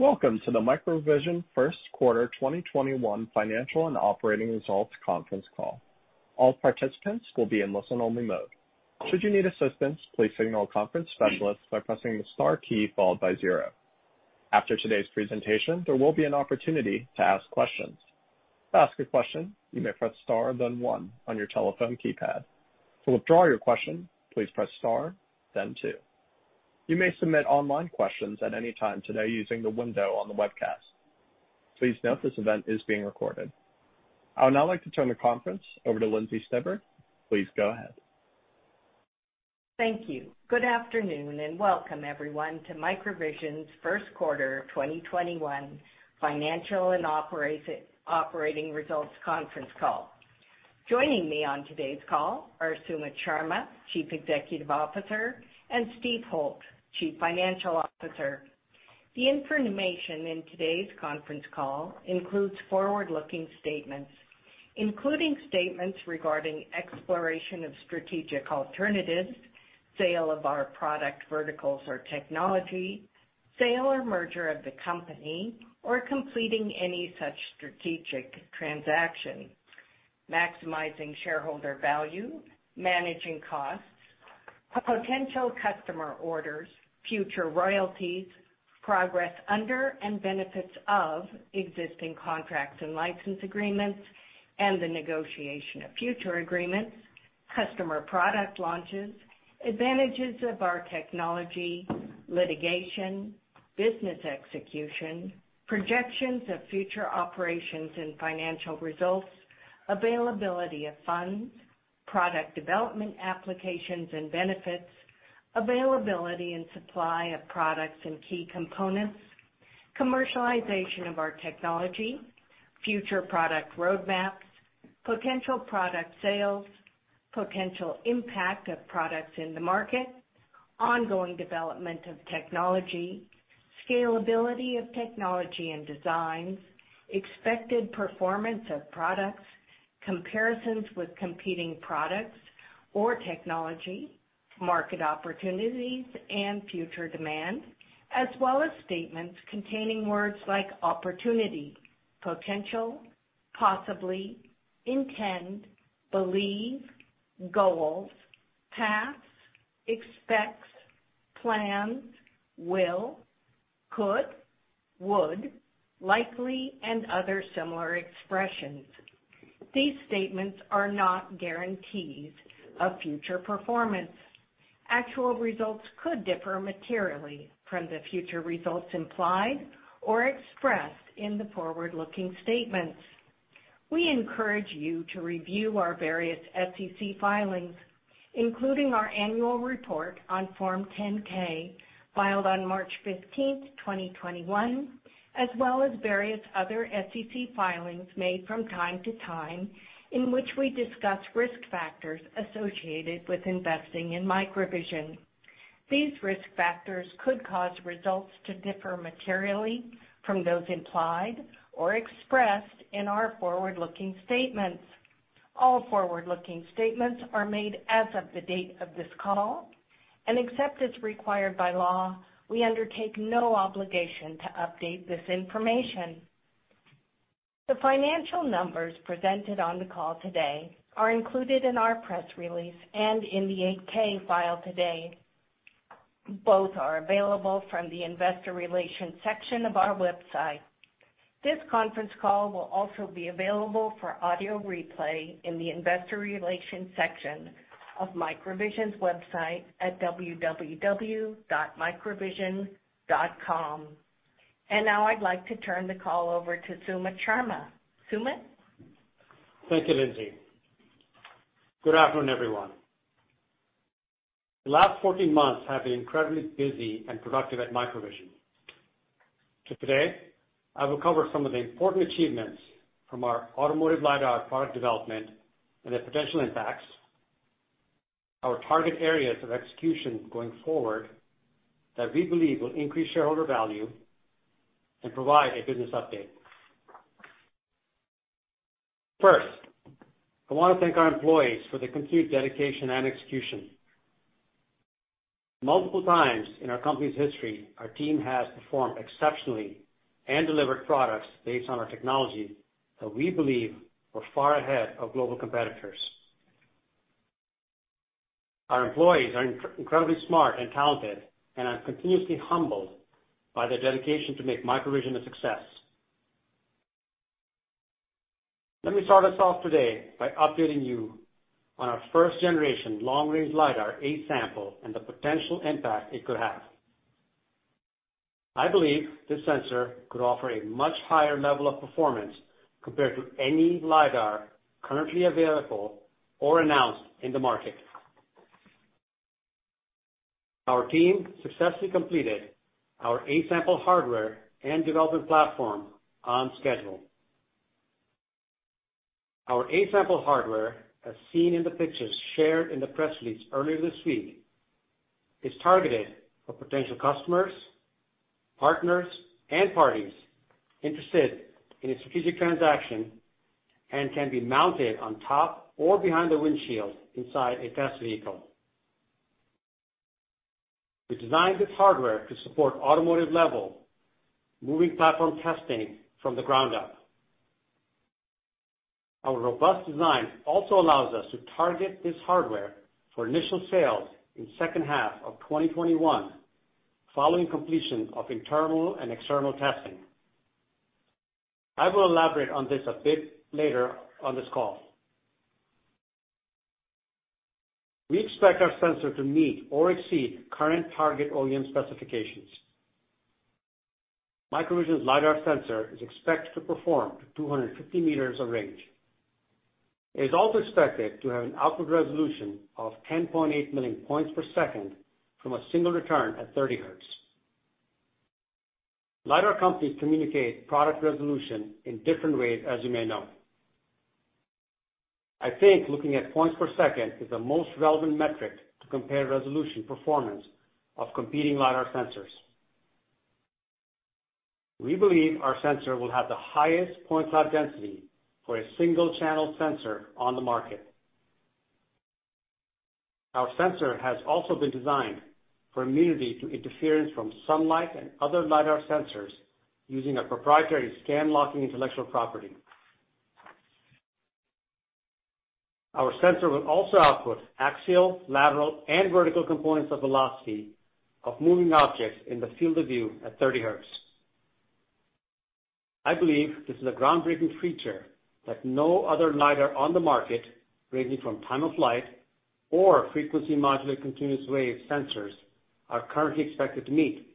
Welcome to the MicroVision first quarter 2021 financial and operating results conference call. All participants will be in listen-only mode. Should you need assistance, please signal a conference specialist by pressing the star key, followed by zero. After today's presentation, there will be an opportunity to ask questions. To ask a question, you may press star, then one on your telephone keypad. To withdraw your question, please press star, then two. You may submit online questions at any time today using the window on the webcast. Please note this event is being recorded. I would now like to turn the conference over to Lindsey Stibbard. Please go ahead. Thank you. Good afternoon, welcome everyone to MicroVision's first quarter 2021 financial and operating results conference call. Joining me on today's call are Sumit Sharma, Chief Executive Officer, and Steve Holt, Chief Financial Officer. The information in today's conference call includes forward-looking statements, including statements regarding exploration of strategic alternatives, sale of our product verticals or technology, sale or merger of the company, or completing any such strategic transaction, maximizing shareholder value, managing costs, potential customer orders, future royalties, progress under and benefits of existing contracts and license agreements, and the negotiation of future agreements, customer product launches, advantages of our technology, litigation, business execution, projections of future operations and financial results, availability of funds, product development applications and benefits, availability and supply of products and key components, commercialization of our technology, future product roadmaps, potential product sales, potential impact of products in the market, ongoing development of technology, scalability of technology and designs, expected performance of products, comparisons with competing products or technology, market opportunities, and future demand, as well as statements containing words like opportunity, potential, possibly, intend, believe, goals, paths, expects, plans, will, could, would, likely, and other similar expressions. These statements are not guarantees of future performance. Actual results could differ materially from the future results implied or expressed in the forward-looking statements. We encourage you to review our various SEC filings, including our annual report on Form 10-K filed on March 15th, 2021, as well as various other SEC filings made from time to time in which we discuss risk factors associated with investing in MicroVision. These risk factors could cause results to differ materially from those implied or expressed in our forward-looking statements. All forward-looking statements are made as of the date of this call, and except as required by law, we undertake no obligation to update this information. The financial numbers presented on the call today are included in our press release and in the 8-K filed today. Both are available from the Investor Relations section of our website. This conference call will also be available for audio replay in the Investor Relations section of MicroVision's website at www.microvision.com. Now I'd like to turn the call over to Sumit Sharma. Sumit? Thank you, Lindsey. Good afternoon, everyone. The last 14 months have been incredibly busy and productive at MicroVision. Today, I will cover some of the important achievements from our automotive LiDAR product development and the potential impacts, our target areas of execution going forward that we believe will increase shareholder value, and provide a business update. First, I want to thank our employees for their complete dedication and execution. Multiple times in our company's history, our team has performed exceptionally and delivered products based on our technology that we believe were far ahead of global competitors. Our employees are incredibly smart and talented, and I'm continuously humbled by their dedication to make MicroVision a success. Let me start us off today by updating you on our first-generation long-range LiDAR A-sample and the potential impact it could have. I believe this sensor could offer a much higher level of performance compared to any LiDAR currently available or announced in the market. Our team successfully completed our A-sample hardware and development platform on schedule. Our A-sample hardware, as seen in the pictures shared in the press release earlier this week, is targeted for potential customers, partners, and parties interested in a strategic transaction and can be mounted on top of or behind the windshield inside a test vehicle. We designed this hardware to support automotive level, moving platform testing from the ground up. Our robust design also allows us to target this hardware for initial sales in second half of 2021, following completion of internal and external testing. I will elaborate on this a bit later on this call. We expect our sensor to meet or exceed current target OEM specifications. MicroVision's LiDAR sensor is expected to perform to 250 m of range. It is also expected to have an output resolution of 10.8 million points per second from a single return at 30 Hz. LiDAR companies communicate product resolution in different ways, as you may know. I think looking at points per second is the most relevant metric to compare resolution performance of competing LiDAR sensors. We believe our sensor will have the highest point cloud density for a single channel sensor on the market. Our sensor has also been designed for immunity to interference from sunlight and other LiDAR sensors using a proprietary scan locking intellectual property. Our sensor will also output axial, lateral, and vertical components of velocity of moving objects in the field of view at 30 Hz. I believe this is a groundbreaking feature that no other LiDAR on the market, ranging from time-of-flight or frequency-modulated continuous-wave sensors, are currently expected to meet.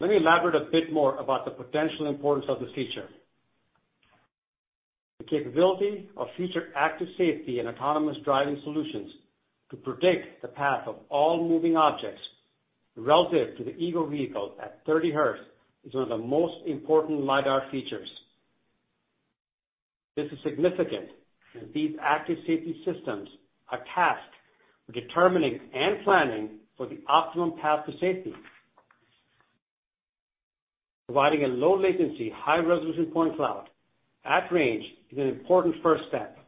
Let me elaborate a bit more about the potential importance of this feature. The capability of future active safety and autonomous driving solutions to predict the path of all moving objects relative to the ego vehicle at 30 Hz is one of the most important LiDAR features. This is significant since these active safety systems are tasked with determining and planning for the optimum path to safety. Providing a low latency, high resolution point cloud at range is an important first step.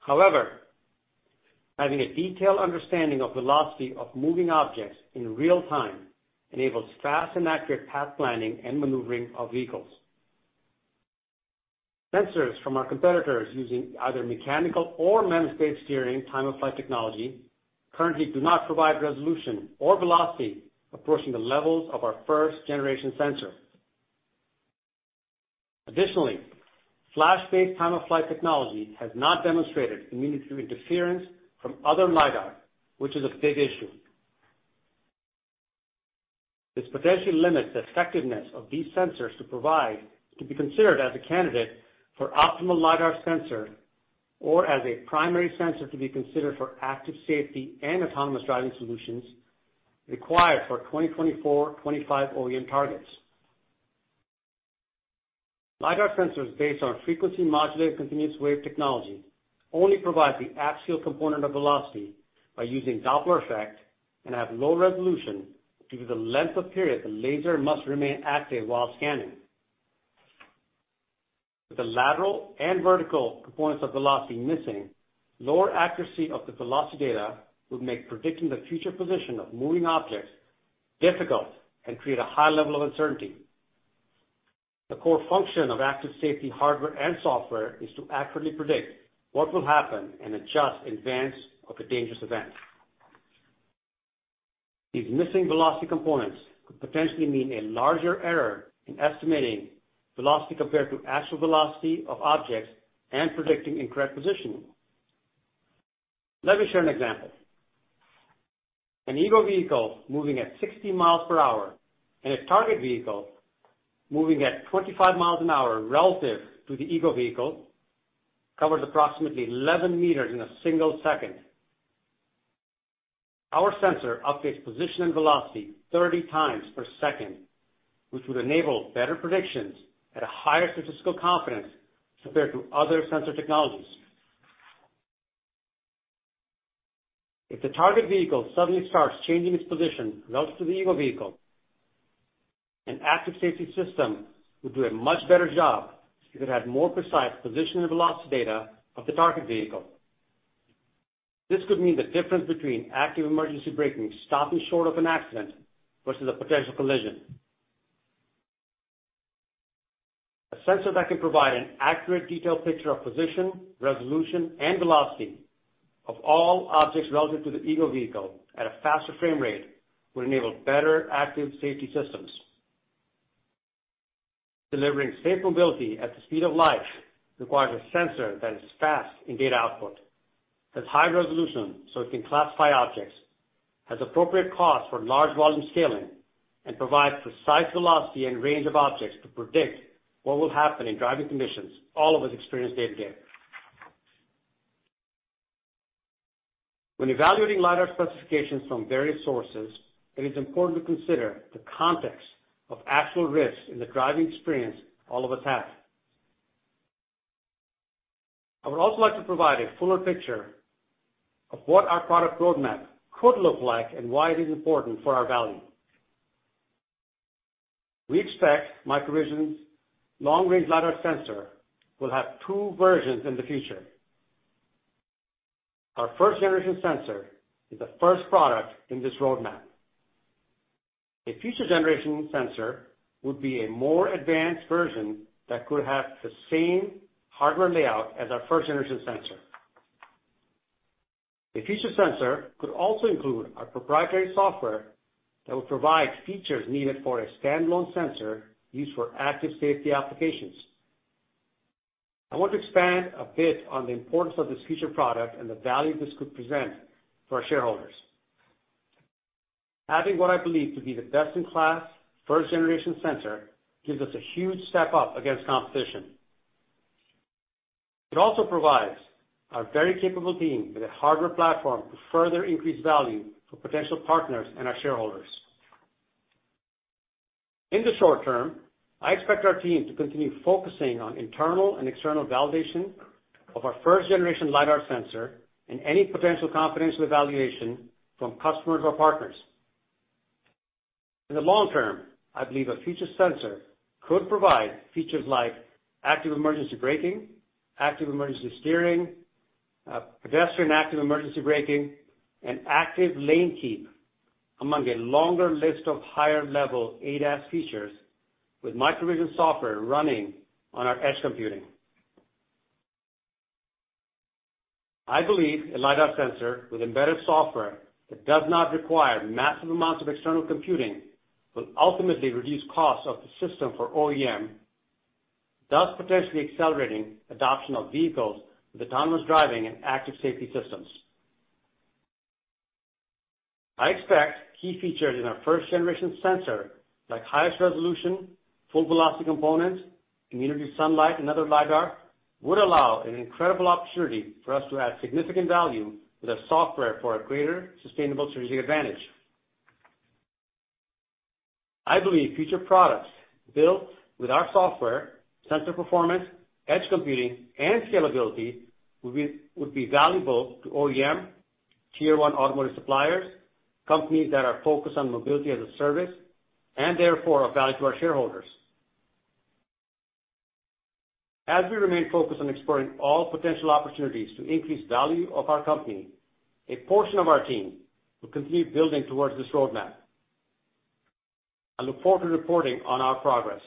However, having a detailed understanding of velocity of moving objects in real time enables fast and accurate path planning and maneuvering of vehicles. Sensors from our competitors using either mechanical or MEMS-based steering time-of-flight technology, currently do not provide resolution or velocity approaching the levels of our first generation sensor. Additionally, flash time-of-flight technology has not demonstrated immunity interference from other LiDAR, which is a big issue. This potentially limits the effectiveness of these sensors to be considered as a candidate for optimal LiDAR sensor or as a primary sensor to be considered for active safety and autonomous driving solutions required for 2024, 2025 OEM targets. LiDAR sensors based on frequency-modulated continuous-wave technology only provide the axial component of velocity by using Doppler effect and have low resolution due to the length of period the laser must remain active while scanning. With the lateral and vertical components of velocity missing, lower accuracy of the velocity data would make predicting the future position of moving objects difficult and create a high level of uncertainty. The core function of active safety hardware and software is to accurately predict what will happen and adjust in advance of a dangerous event. These missing velocity components could potentially mean a larger error in estimating velocity compared to actual velocity of objects and predicting incorrect positioning. Let me share an example. An ego vehicle moving at 60 mi per hour and a target vehicle moving at 25 mi an hour relative to the ego vehicle, covers approximately 11 m in a single second. Our sensor updates position and velocity 30 times per second, which would enable better predictions at a higher statistical confidence compared to other sensor technologies. If the target vehicle suddenly starts changing its position relative to the ego vehicle, an active safety system would do a much better job if it had more precise position and velocity data of the target vehicle. This could mean the difference between active emergency braking stopping short of an accident versus a potential collision. A sensor that can provide an accurate, detailed picture of position, resolution, and velocity of all objects relative to the ego vehicle at a faster frame rate would enable better active safety systems. Delivering safe mobility at the speed of life requires a sensor that is fast in data output, has high resolution so it can classify objects, has appropriate cost for large volume scaling, and provides precise velocity and range of objects to predict what will happen in driving conditions all of us experience day to day. When evaluating LiDAR specifications from various sources, it is important to consider the context of actual risks in the driving experience all of us have. I would also like to provide a fuller picture of what our product roadmap could look like and why it is important for our value. We expect MicroVision's long-range LiDAR sensor will have two versions in the future. Our first-generation sensor is the first product in this roadmap. A future generation sensor would be a more advanced version that could have the same hardware layout as our first-generation sensor. A future sensor could also include our proprietary software that would provide features needed for a standalone sensor used for active safety applications. I want to expand a bit on the importance of this future product and the value this could present for our shareholders. Having what I believe to be the best-in-class first-generation sensor gives us a huge step up against competition. It also provides our very capable team with a hardware platform to further increase value for potential partners and our shareholders. In the short term, I expect our team to continue focusing on internal and external validation of our first-generation LiDAR sensor and any potential confidential evaluation from customers or partners. In the long term, I believe a future sensor could provide features like active emergency braking, active emergency steering, pedestrian active emergency braking, and active lane keep among a longer list of higher-level ADAS features with MicroVision software running on our edge computing. I believe a LiDAR sensor with embedded software that does not require massive amounts of external computing will ultimately reduce costs of the system for OEM, thus potentially accelerating adoption of vehicles with autonomous driving and active safety systems. I expect key features in our first-generation sensor, like highest resolution, full velocity component, immunity to sunlight and other LiDAR, would allow an incredible opportunity for us to add significant value with our software for a greater sustainable strategic advantage. I believe future products built with our software, sensor performance, edge computing, and scalability would be valuable to OEM, tier one automotive suppliers, companies that are focused on mobility as a service, and therefore of value to our shareholders. As we remain focused on exploring all potential opportunities to increase value of our company, a portion of our team will continue building towards this roadmap. I look forward to reporting on our progress.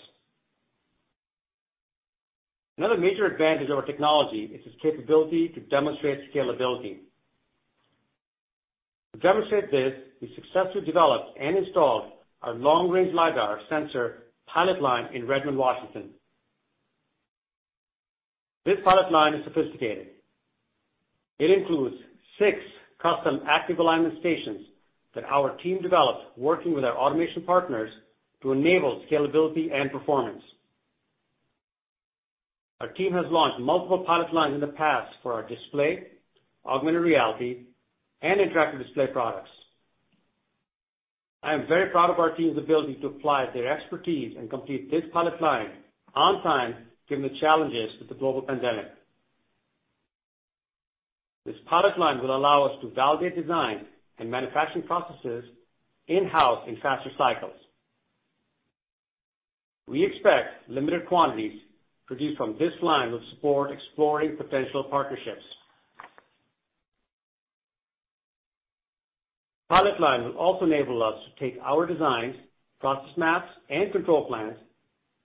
Another major advantage of our technology is its capability to demonstrate scalability. To demonstrate this, we successfully developed and installed our long-range LiDAR sensor pilot line in Redmond, Washington. This pilot line is sophisticated. It includes six custom active alignment stations that our team developed working with our automation partners to enable scalability and performance. Our team has launched multiple pilot lines in the past for our display, augmented reality, and interactive display products. I am very proud of our team's ability to apply their expertise and complete this pilot line on time, given the challenges with the global pandemic. This pilot line will allow us to validate design and manufacturing processes in-house in faster cycles. We expect limited quantities produced from this line will support exploring potential partnerships. Pilot line will also enable us to take our designs, process maps, and control plans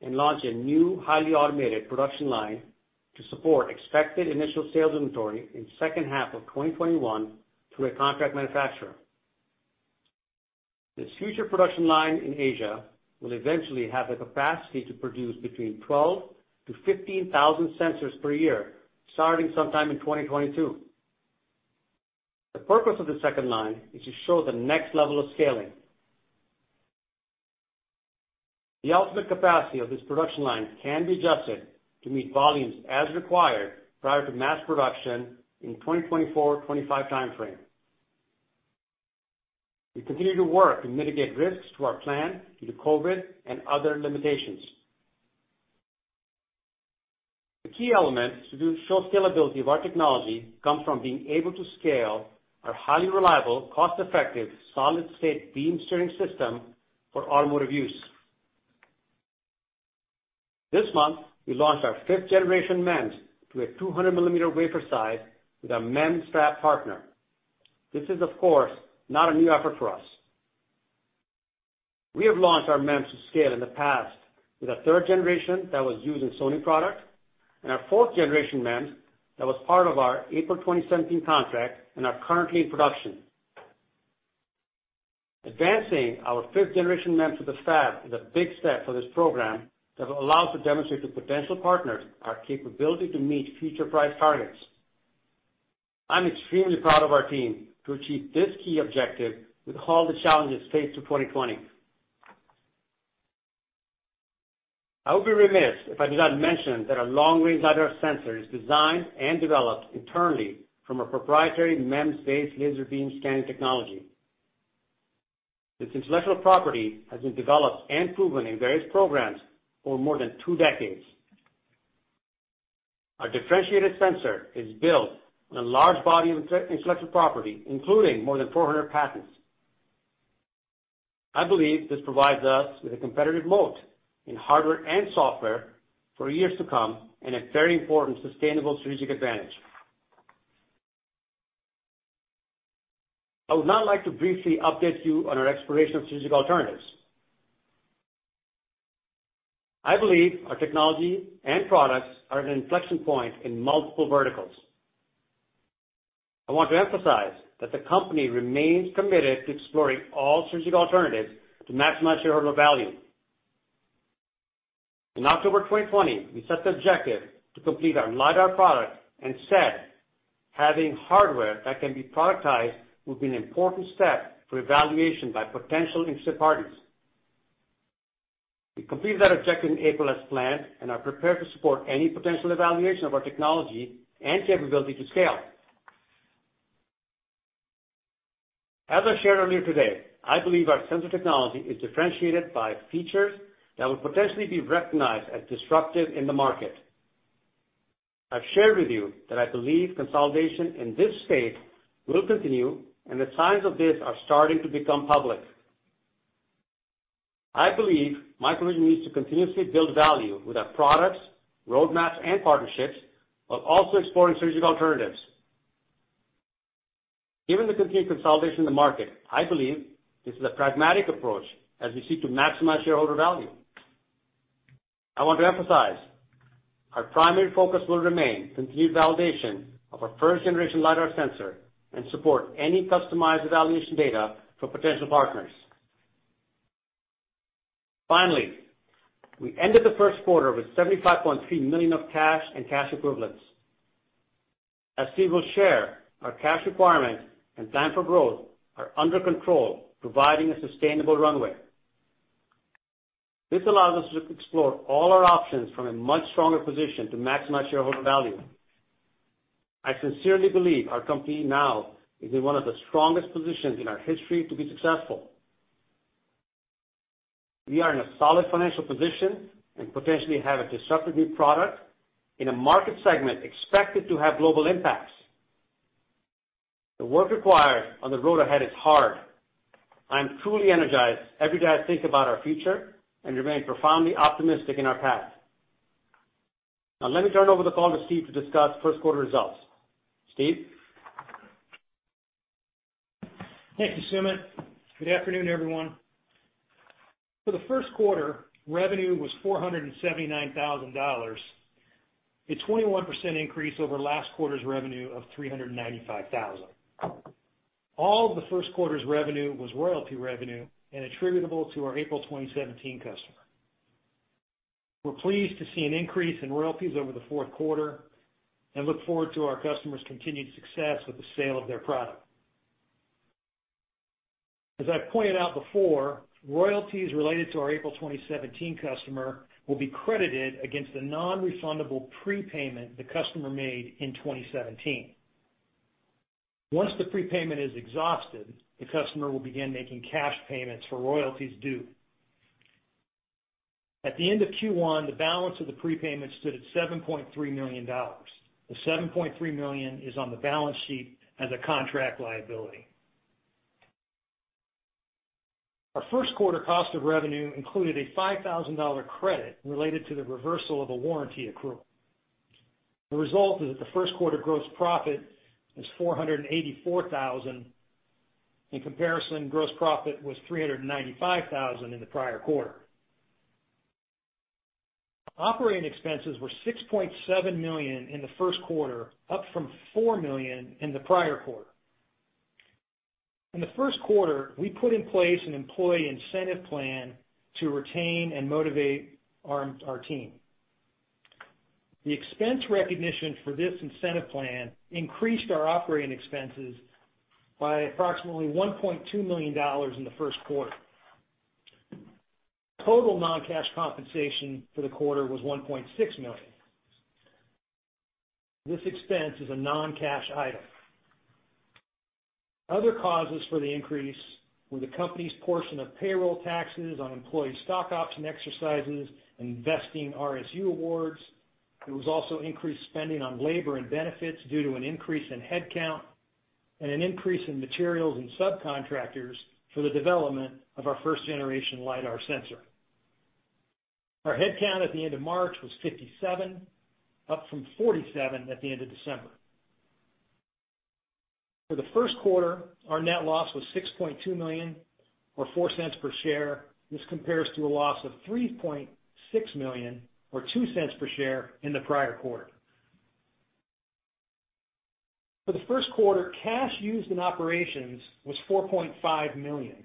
and launch a new, highly automated production line to support expected initial sales inventory in second half of 2021 through a contract manufacturer. This future production line in Asia will eventually have the capacity to produce between 12 to 15,000 sensors per year, starting sometime in 2022. The purpose of the second line is to show the next level of scaling. The ultimate capacity of this production line can be adjusted to meet volumes as required prior to mass production in 2024-2025 timeframe. We continue to work and mitigate risks to our plan due to COVID and other limitations. The key elements to show scalability of our technology comes from being able to scale our highly reliable, cost-effective, solid state beam steering system for automotive use. This month, we launched our 5th generation MEMS to a 200 mm wafer size with a MEMS fab partner. This is, of course, not a new effort for us. We have launched our MEMS to scale in the past with a 3rd generation that was used in Sony product and our 4th generation MEMS that was part of our April 2017 contract and are currently in production. Advancing our 5th generation MEMS with a fab is a big step for this program that will allow us to demonstrate to potential partners our capability to meet future price targets. I'm extremely proud of our team to achieve this key objective with all the challenges faced through 2020. I would be remiss if I did not mention that our long-range LiDAR sensor is designed and developed internally from a proprietary MEMS-based laser beam scanning technology. This intellectual property has been developed and proven in various programs for more than two decades. Our differentiated sensor is built on a large body of intellectual property, including more than 400 patents. I believe this provides us with a competitive moat in hardware and software for years to come and a very important sustainable strategic advantage. I would now like to briefly update you on our exploration of strategic alternatives. I believe our technology and products are at an inflection point in multiple verticals. I want to emphasize that the company remains committed to exploring all strategic alternatives to maximize shareholder value. In October 2020, we set the objective to complete our LiDAR product and said having hardware that can be productized would be an important step for evaluation by potential interested parties. We completed that objective in April as planned and are prepared to support any potential evaluation of our technology and capability to scale. As I shared earlier today, I believe our sensor technology is differentiated by features that will potentially be recognized as disruptive in the market. I've shared with you that I believe consolidation in this space will continue, and the signs of this are starting to become public. I believe MicroVision needs to continuously build value with our products, roadmaps, and partnerships, while also exploring strategic alternatives. Given the continued consolidation in the market, I believe this is a pragmatic approach as we seek to maximize shareholder value. I want to emphasize our primary focus will remain continued validation of our first-generation LiDAR sensor and support any customized evaluation data for potential partners. Finally, we ended the first quarter with $75.3 million of cash and cash equivalents. As Steve will share, our cash requirements and plan for growth are under control, providing a sustainable runway. This allows us to explore all our options from a much stronger position to maximize shareholder value. I sincerely believe our company now is in one of the strongest positions in our history to be successful. We are in a solid financial position and potentially have a disruptive new product in a market segment expected to have global impacts. The work required on the road ahead is hard. I am truly energized every day I think about our future and remain profoundly optimistic in our path. Now, let me turn over the call to Steve to discuss first quarter results. Steve? Thank you, Sumit. Good afternoon, everyone. For the first quarter, revenue was $479,000, a 21% increase over last quarter's revenue of $395,000. All of the first quarter's revenue was royalty revenue and attributable to our April 2017 customer. We're pleased to see an increase in royalties over the fourth quarter and look forward to our customers' continued success with the sale of their product. As I've pointed out before, royalties related to our April 2017 customer will be credited against a non-refundable prepayment the customer made in 2017. Once the prepayment is exhausted, the customer will begin making cash payments for royalties due. At the end of Q1, the balance of the prepayment stood at $7.3 million. The $7.3 million is on the balance sheet as a contract liability. Our first quarter cost of revenue included a $5,000 credit related to the reversal of a warranty accrual. The result is that the first quarter gross profit was $484,000. In comparison, gross profit was $395,000 in the prior quarter. Operating expenses were $6.7 million in the first quarter, up from $4 million in the prior quarter. In the first quarter, we put in place an employee incentive plan to retain and motivate our team. The expense recognition for this incentive plan increased our operating expenses by approximately $1.2 million in the first quarter. Total non-cash compensation for the quarter was $1.6 million. This expense is a non-cash item. Other causes for the increase were the company's portion of payroll taxes on employee stock option exercises and vesting RSU awards. There was also increased spending on labor and benefits due to an increase in headcount and an increase in materials and subcontractors for the development of our first-generation LiDAR sensor. Our headcount at the end of March was 57, up from 47 at the end of December. For the first quarter, our net loss was $6.2 million or $0.04 per share. This compares to a loss of $3.6 million or $0.02 per share in the prior quarter. For the first quarter, cash used in operations was $4.5 million,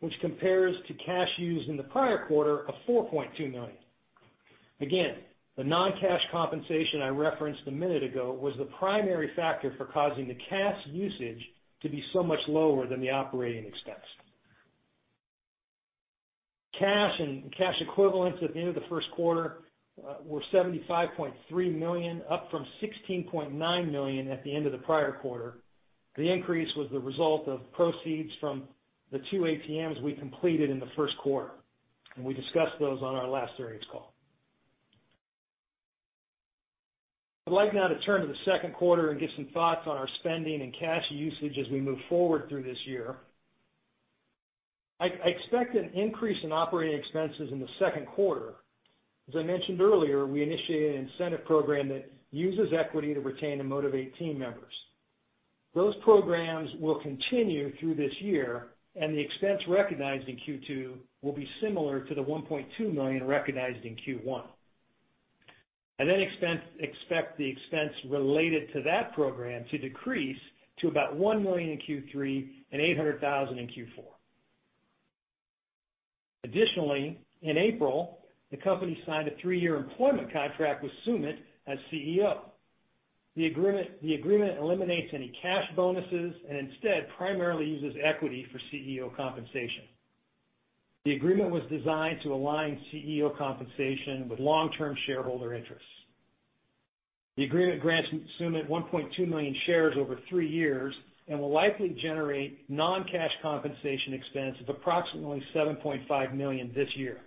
which compares to cash used in the prior quarter of $4.2 million. Again, the non-cash compensation I referenced a minute ago was the primary factor for causing the cash usage to be so much lower than the operating expense. Cash and cash equivalents at the end of the first quarter were $75.3 million, up from $16.9 million at the end of the prior quarter. The increase was the result of proceeds from the two ATMs we completed in the first quarter. We discussed those on our last earnings call. I'd like now to turn to the second quarter and give some thoughts on our spending and cash usage as we move forward through this year. I expect an increase in operating expenses in the second quarter. As I mentioned earlier, I initiated an incentive program that uses equity to retain and motivate team members. Those programs will continue through this year. The expense recognized in Q2 will be similar to the $1.2 million recognized in Q1. I expect the expense related to that program to decrease to about $1 million in Q3 and $800,000 in Q4. Additionally, in April, the company signed a three-year employment contract with Sumit as CEO. The agreement eliminates any cash bonuses and instead primarily uses equity for CEO compensation. The agreement was designed to align CEO compensation with long-term shareholder interests. The agreement grants Sumit 1.2 million shares over three years and will likely generate non-cash compensation expense of approximately $7.5 million this year.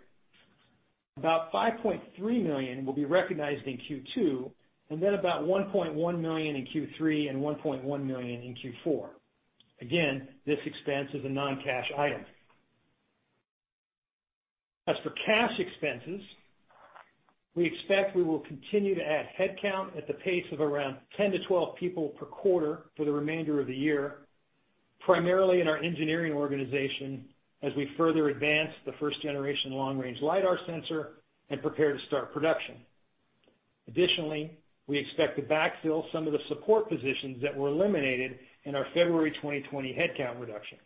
About $5.3 million will be recognized in Q2, and then about $1.1 million in Q3 and $1.1 million in Q4. Again, this expense is a non-cash item. As for cash expenses, we expect we will continue to add headcount at the pace of around 10 to 12 people per quarter for the remainder of the year, primarily in our engineering organization, as we further advance the first-generation long-range LiDAR sensor and prepare to start production. Additionally, we expect to backfill some of the support positions that were eliminated in our February 2020 headcount reduction.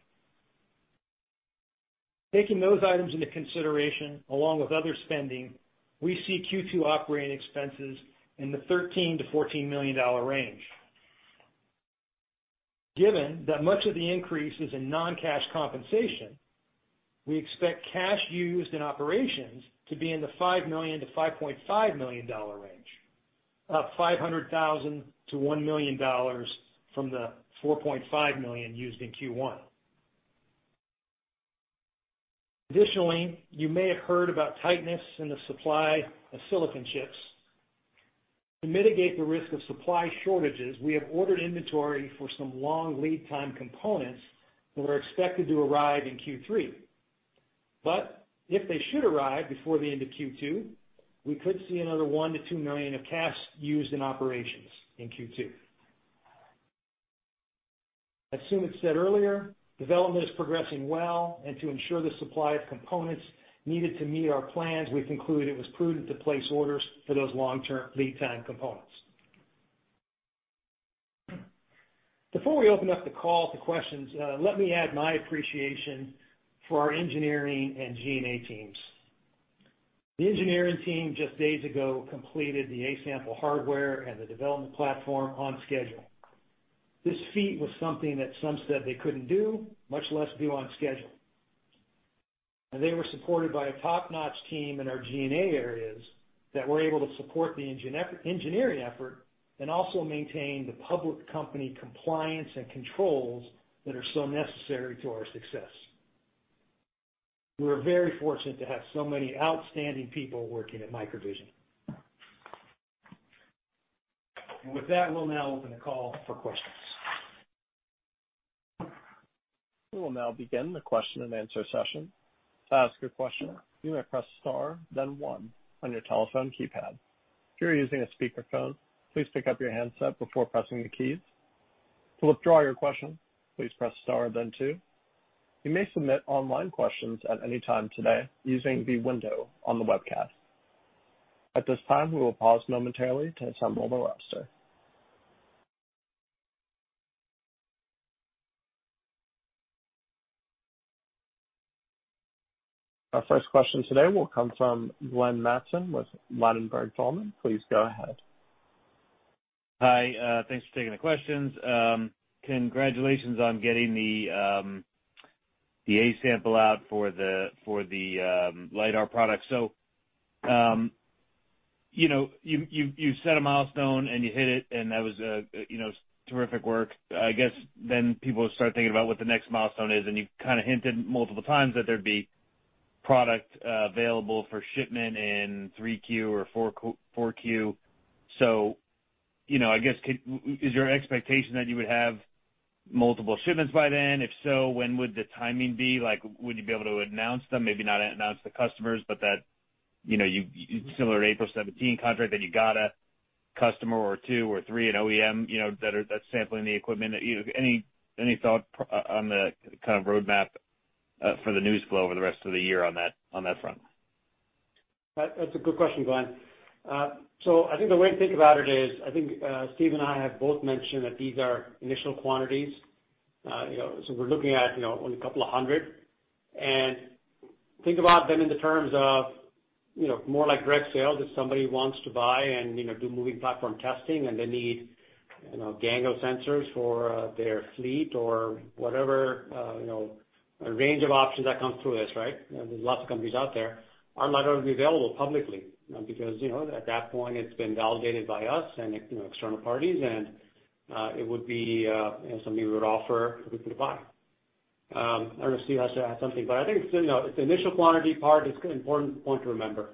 Taking those items into consideration, along with other spending, we see Q2 operating expenses in the $13 million-$14 million range. Given that much of the increase is in non-cash compensation, we expect cash used in operations to be in the $5 million-$5.5 million range, up $500,000-$1 million from the $4.5 million used in Q1. Additionally, you may have heard about tightness in the supply of silicon chips. To mitigate the risk of supply shortages, we have ordered inventory for some long lead time components that are expected to arrive in Q3. If they should arrive before the end of Q2, we could see another $1 million-$2 million of cash used in operations in Q2. As Sumit said earlier, development is progressing well, and to ensure the supply of components needed to meet our plans, we concluded it was prudent to place orders for those long-term lead time components. Before we open up the call to questions, let me add my appreciation for our engineering and G&A teams. The engineering team just days ago completed the A-sample hardware and the development platform on schedule. This feat was something that some said they couldn't do, much less do on schedule. They were supported by a top-notch team in our G&A areas that were able to support the engineering effort and also maintain the public company compliance and controls that are so necessary to our success. We are very fortunate to have so many outstanding people working at MicroVision. With that, we'll now open the call for questions. We will now begin the question and answer session. To ask your question, you may press star then one on your telephone keypad. If you're using a speakerphone, please pick up your handset before pressing the keys. To withdraw your question, please press star then two. You may submit online questions at any time today using the window on the webcast. At this time, we will pause momentarily to assemble the roster. Our first question today will come from Glenn Mattson with Ladenburg Thalmann. Please go ahead. Hi. Thanks for taking the questions. Congratulations on getting the A-sample out for the LiDAR product. You set a milestone and you hit it, and that was terrific work. I guess then people start thinking about what the next milestone is, and you kind of hinted multiple times that there'd be product available for shipment in 3Q or 4Q. I guess, is your expectation that you would have multiple shipments by then? If so, when would the timing be? Would you be able to announce them? Maybe not announce the customers, but that similar to April 2017 contract, that you got a customer or two or three, an OEM that's sampling the equipment. Any thought on the kind of roadmap for the news flow over the rest of the year on that front? That's a good question, Glenn. I think the way to think about it is, I think Steve and I have both mentioned that these are initial quantities. We're looking at only a couple of hundred. Think about them in the terms of more like direct sales if somebody wants to buy and do moving platform testing and they need a gang of sensors for their fleet or whatever, a range of options that comes through us, right? There's lots of companies out there. Our LiDAR will be available publicly because at that point it's been validated by us and external parties and it would be something we would offer if we could apply. I don't know if Steve has to add something, but I think the initial quantity part is an important point to remember.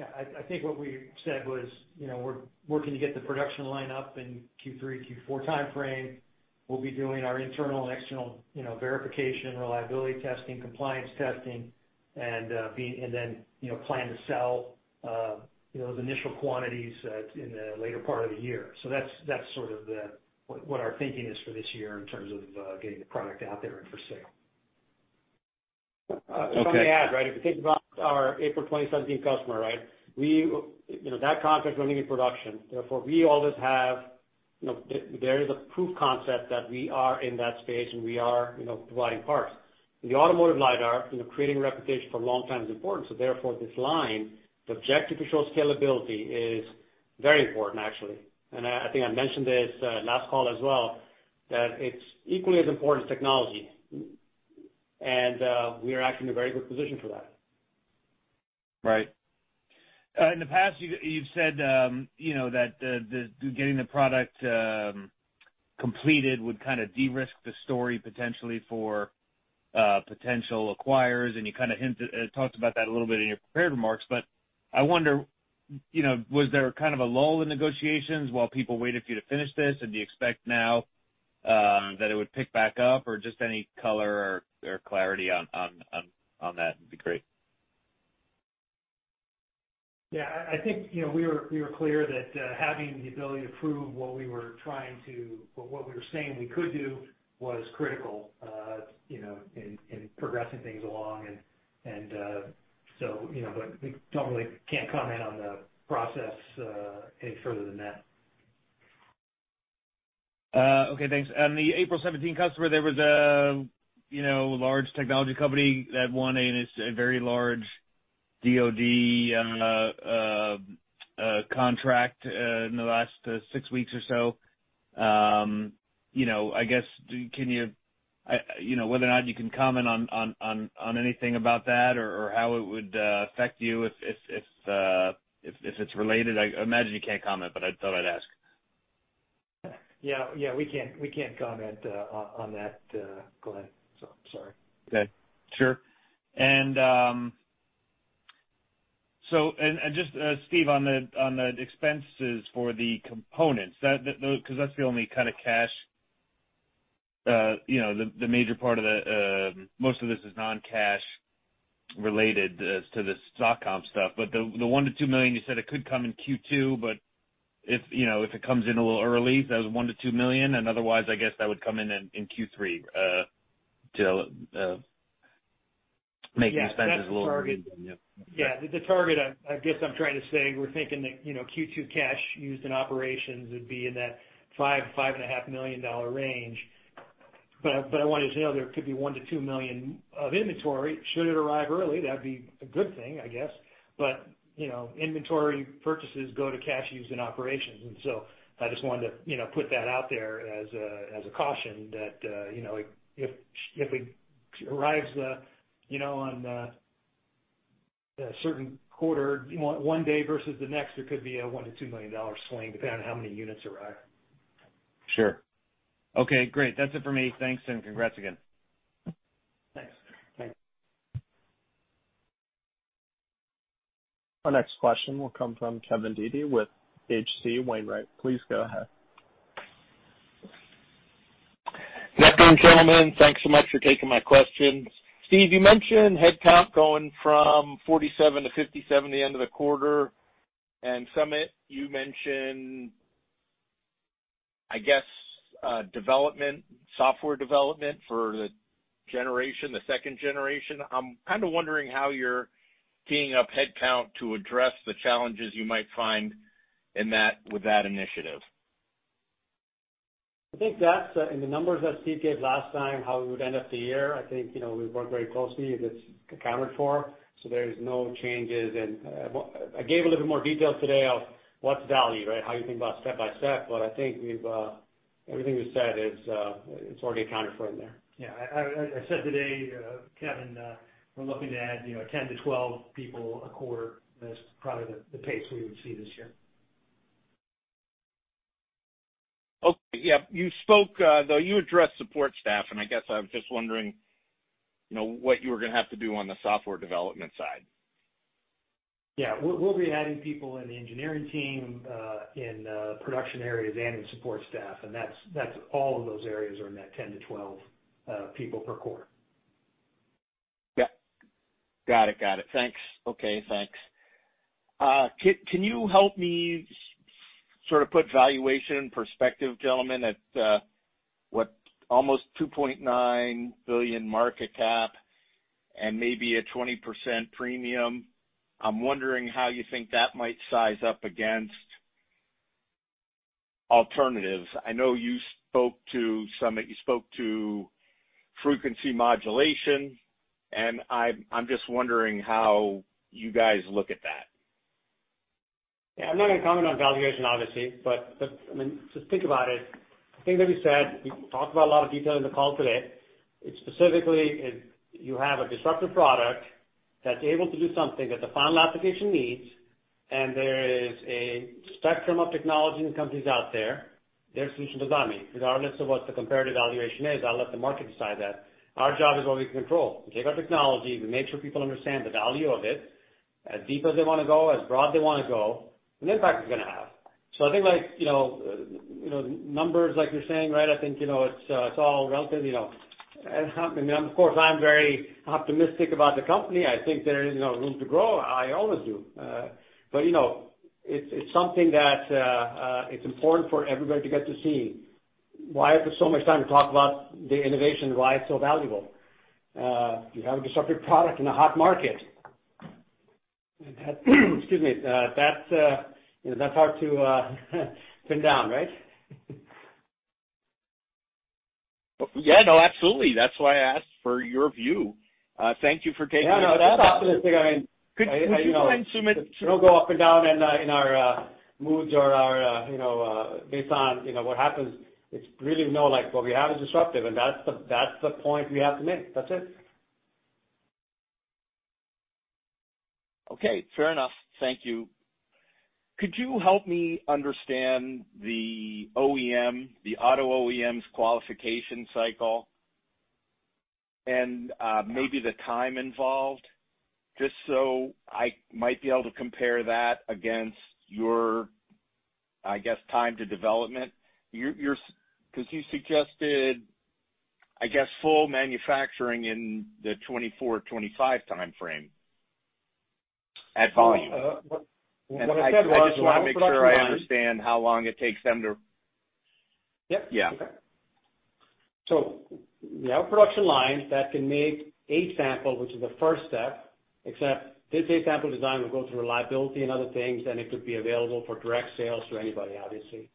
I think what we said was, we're working to get the production line up in Q3, Q4 timeframe. We'll be doing our internal and external verification, reliability testing, compliance testing, and then plan to sell those initial quantities in the later part of the year. That's sort of what our thinking is for this year in terms of getting the product out there and for sale. If I may add, right? If you think about our April 2017 customer, right? That contract is going to be in production. There is a proof concept that we are in that space, and we are providing parts. In the automotive LiDAR, creating a reputation for a long time is important, so therefore, this line, the objective to show scalability is very important, actually. I think I mentioned this last call as well, that it's equally as important as technology. We are actually in a very good position for that. Right. In the past, you've said that getting the product completed would kind of de-risk the story potentially for potential acquirers, and you kind of talked about that a little bit in your prepared remarks. I wonder, was there kind of a lull in negotiations while people waited for you to finish this? Do you expect now that it would pick back up or just any color or clarity on that would be great. Yeah, I think we were clear that having the ability to prove what we were saying we could do was critical in progressing things along. We can't comment on the process any further than that. Okay, thanks. On the April 2017 customer, there was a large technology company that won a very large DoD contract in the last six weeks or so. I guess, whether or not you can comment on anything about that or how it would affect you if it's related. I imagine you can't comment, but I thought I'd ask. Yeah. We can't comment on that, Glenn. Sorry. Okay, sure. Just, Steve, on the expenses for the components, because that's the only kind of cash, the major part of most of this is non-cash related to this stock opt stuff. The $1 million-$2 million, you said it could come in Q2, but if it comes in a little early, that was $1 million-$2 million, otherwise, I guess that would come in in Q3. Yeah, the target, I guess I'm trying to say we're thinking that Q2 cash used in operations would be in that $5 million-$5.5 million range. I wanted to say, there could be $1 million-$2 million of inventory. Should it arrive early, that'd be a good thing, I guess. Inventory purchases go to cash used in operations. I just wanted to put that out there as a caution that if it arrives on a certain quarter, one day versus the next, there could be a $1 million-$2 million swing, depending on how many units arrive. Sure. Okay, great. That's it for me. Thanks. Congrats again. Thanks. Thanks. Our next question will come from Kevin Dede with H.C. Wainwright. Please go ahead. Good afternoon, gentlemen. Thanks so much for taking my questions. Steve, you mentioned headcount going from 47 to 57 the end of the quarter, and Sumit, you mentioned, I guess, software development for the second generation. I'm kind of wondering how you're keying up headcount to address the challenges you might find with that initiative? I think that's in the numbers that Steve gave last time, how we would end up the year. I think we've worked very closely, and it's accounted for, so there is no changes. I gave a little bit more detail today of what's valued, right? How you think about step by step, but I think everything we've said is already accounted for in there. Yeah. I said today, Kevin, we're looking to add 10 to 12 people a quarter. That's probably the pace we would see this year. Okay, yeah. You spoke though, you addressed support staff, and I guess I was just wondering what you were going to have to do on the software development side. Yeah. We'll be adding people in the engineering team, in the production areas, and the support staff. That's all of those areas are in that 10 to 12 people per quarter. Yeah. Got it. Thanks. Okay, thanks. Can you help me sort of put valuation perspective, gentlemen, at what almost $2.9 billion market cap and maybe a 20% premium? I'm wondering how you think that might size up against alternatives. I know you spoke to some, that you spoke to frequency modulation, and I'm just wondering how you guys look at that. I'm not going to comment on valuation, obviously, but just think about it. The things that we said, we talked about a lot of detail in the call today. It's specifically, you have a disruptive product that's able to do something that the final application needs. There is a spectrum of technology and companies out there, their solution does that mean, regardless of what the comparative evaluation is, I'll let the market decide that. Our job is what we can control. We take our technology, we make sure people understand the value of it, as deep as they want to go, as broad they want to go, and the impact it's going to have. I think numbers, like you're saying, I think it's all relative. Of course, I'm very optimistic about the company. I think there is room to grow. I always do. It's something that it's important for everybody to get to see why I put so much time to talk about the innovation, why it's so valuable. You have a disruptive product in a hot market. Excuse me. That's hard to pin down, right? Yeah, no, absolutely. That's why I asked for your view. Thank you. Yeah, no, that's optimistic. Could you try and sum it? It'll go up and down in our moods or based on what happens. It's really like what we have is disruptive, and that's the point we have to make. That's it. Okay, fair enough. Thank you. Could you help me understand the OEM, the auto OEMs qualification cycle and maybe the time involved, just so I might be able to compare that against your, I guess, time to development? Because you suggested, I guess, full manufacturing in the 2024, 2025 timeframe at volume. What I said was- I just want to make sure I understand how long it takes them to. Yep. Yeah. We have a production line that can make A-sample, which is the first step, except this A-sample design will go through reliability and other things, and it could be available for direct sales to anybody, obviously.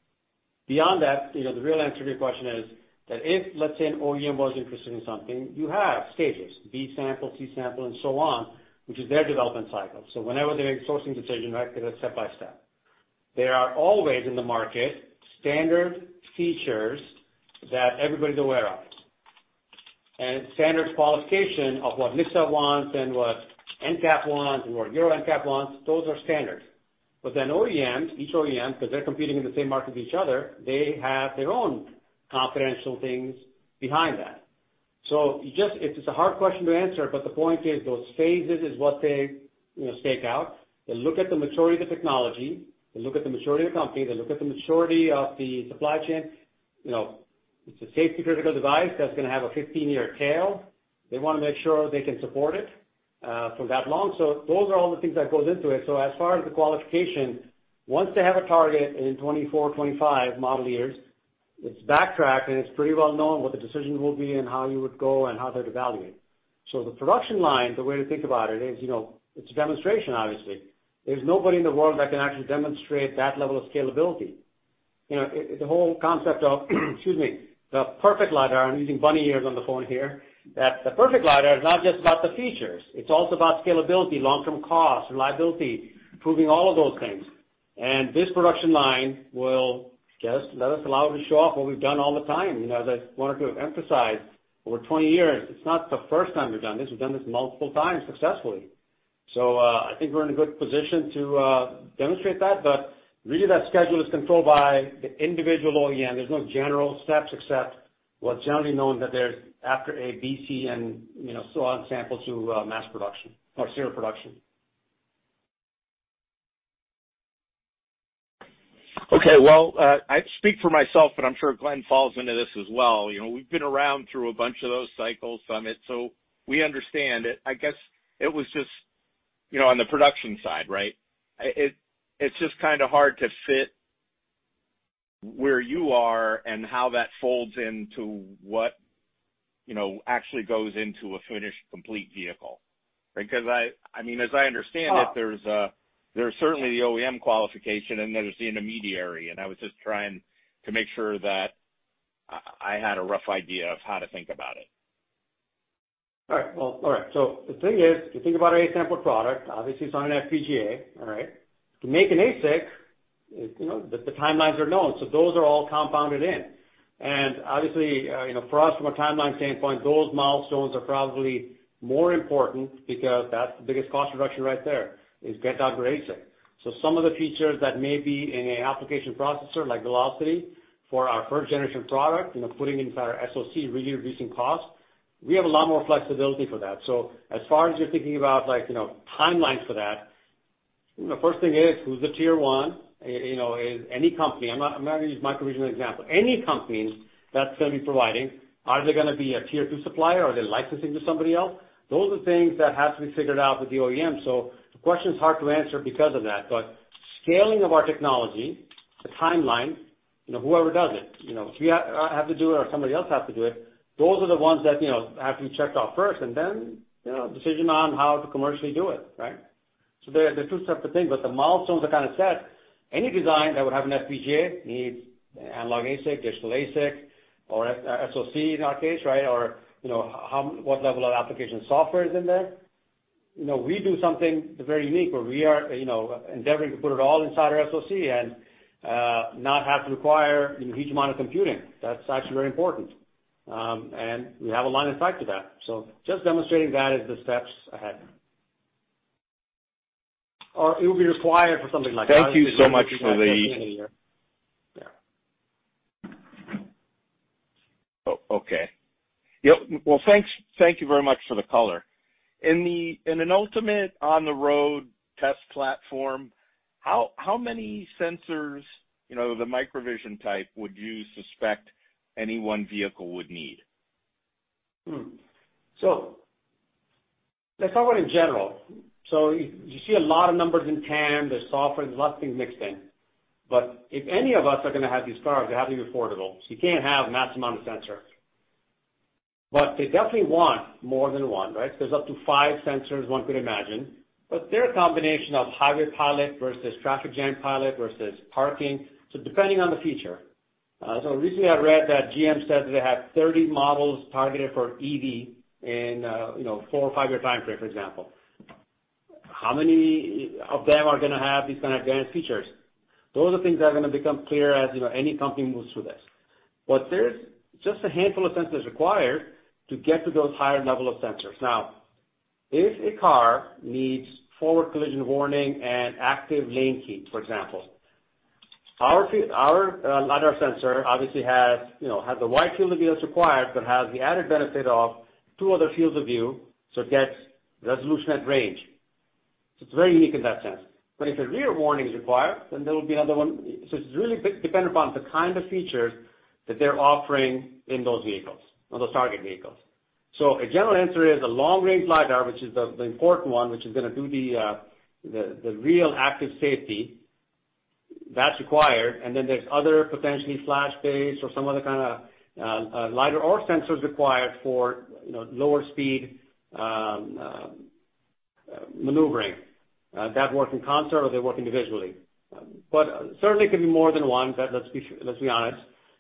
Beyond that, the real answer to your question is that if, let's say, an OEM was interested in something, you have stages, B sample, C sample, and so on, which is their development cycle. Whenever they make a sourcing decision, they do that step by step. There are always in the market standard features that everybody's aware of. Standard qualification of what NHTSA wants and what NCAP wants and what Euro NCAP wants, those are standards. OEMs, each OEM, because they're competing in the same market as each other, they have their own confidential things behind that. It's a hard question to answer, but the point is those phases is what they stake out. They look at the maturity of the technology. They look at the maturity of the company. They look at the maturity of the supply chain. It's a safety critical device that's going to have a 15-year tail. They want to make sure they can support it for that long. Those are all the things that goes into it. As far as the qualification, once they have a target in 2024, 2025 model years, it's backtracked and it's pretty well known what the decision will be and how you would go and how they'd evaluate. The production line, the way to think about it is, it's a demonstration, obviously. There's nobody in the world that can actually demonstrate that level of scalability. The whole concept of, excuse me, the perfect LiDAR, I'm using bunny ears on the phone here. That the perfect LiDAR is not just about the features. It's also about scalability, long-term cost, reliability, improving all of those things. This production line will just let us allow to show off what we've done all the time. As I wanted to emphasize, over 20 years, it's not the first time we've done this. We've done this multiple times successfully. I think we're in a good position to demonstrate that. Really that schedule is controlled by the individual OEM. There's no general steps except what's generally known that they're after A, B, C, and so on sample to mass production or serial production. Okay. Well, I speak for myself, but I'm sure Glenn falls into this as well. We've been around through a bunch of those cycles, Sumit, so we understand it. I guess it was just on the production side. It's just kind of hard to fit where you are and how that folds into what actually goes into a finished, complete vehicle. As I understand it, there's certainly the OEM qualification, and there's the intermediary, and I was just trying to make sure that I had a rough idea of how to think about it. All right. The thing is, if you think about our A-sample product, obviously it's on an FPGA. All right? To make an ASIC, the timelines are known, so those are all compounded in. Obviously, for us, from a timeline standpoint, those milestones are probably more important because that's the biggest cost reduction right there, is get that ASIC. Some of the features that may be in an application processor, like Velocity for our first generation product, putting it inside our SOC, really reducing cost, we have a lot more flexibility for that. As far as you're thinking about timelines for that, the first thing is who's the tier one? Any company. I'm not going to use MicroVision as an example. Any company that's going to be providing, are they going to be a tier two supplier? Are they licensing to somebody else? Those are things that have to be figured out with the OEM. The question is hard to answer because of that. Scaling of our technology, the timeline, whoever does it, if we have to do it or somebody else has to do it, those are the ones that have to be checked off first, and then, decision on how to commercially do it. They're two separate things, the milestones are kind of set. Any design that would have an FPGA needs analog ASIC, digital ASIC, or SOC in our case. What level of application software is in there. We do something that's very unique where we are endeavoring to put it all inside our SOC and not have to require a huge amount of computing. That's actually very important. We have a line of sight to that. Just demonstrating that is the steps ahead. It will be required for something like that. Thank you so much for. Yeah. Okay. Yep. Thank you very much for the color. In an ultimate on-the-road test platform, how many sensors, the MicroVision type, would you suspect any one vehicle would need? Let's talk about in general. You see a lot of numbers in TAM, there's software, there's a lot of things mixed in. If any of us are going to have these cars, they have to be affordable. You can't have mass amount of sensors. They definitely want more than one, right? There's up to five sensors one could imagine, but there are combination of highway pilot versus traffic jam pilot versus parking, depending on the feature. Recently I read that GM says that they have 30 models targeted for EV in a four or five-year timeframe, for example. How many of them are going to have these kind of advanced features? Those are the things that are going to become clear as any company moves through this. There's just a handful of sensors required to get to those higher level of sensors. Now, if a car needs forward collision warning and active lane keep, for example, our LiDAR sensor obviously has the wide field of view that's required but has the added benefit of two other fields of view. It gets resolution at range. It's very unique in that sense. If the rear warning is required, there will be another one. It's really dependent upon the kind of features that they're offering in those vehicles or those target vehicles. A general answer is a long-range LiDAR, which is the important one, which is going to do the real active safety that's required. There's other potentially flash-based or some other kind of LiDAR or sensors required for lower speed maneuvering. That work in concert or they work individually. Certainly could be more than one, let's be honest,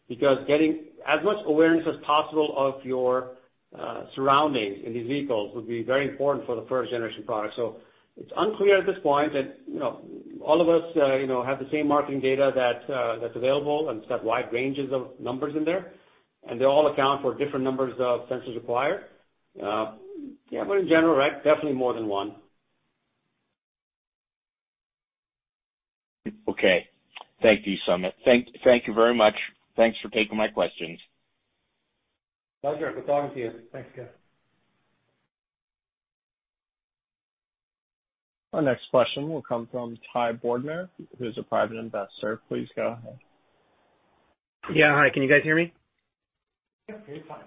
because getting as much awareness as possible of your surroundings in these vehicles would be very important for the first generation product. It's unclear at this point that all of us have the same marketing data that's available and have wide ranges of numbers in there, and they all account for different numbers of sensors required. In general, right, definitely more than one. Okay. Thank you, Sumit. Thank you very much. Thanks for taking my questions. Pleasure. Good talking to you. Thanks again. Our next question will come from Ty Bordner, who's a private investor. Please go ahead. Yeah. Hi, can you guys hear me? Yep, you're fine.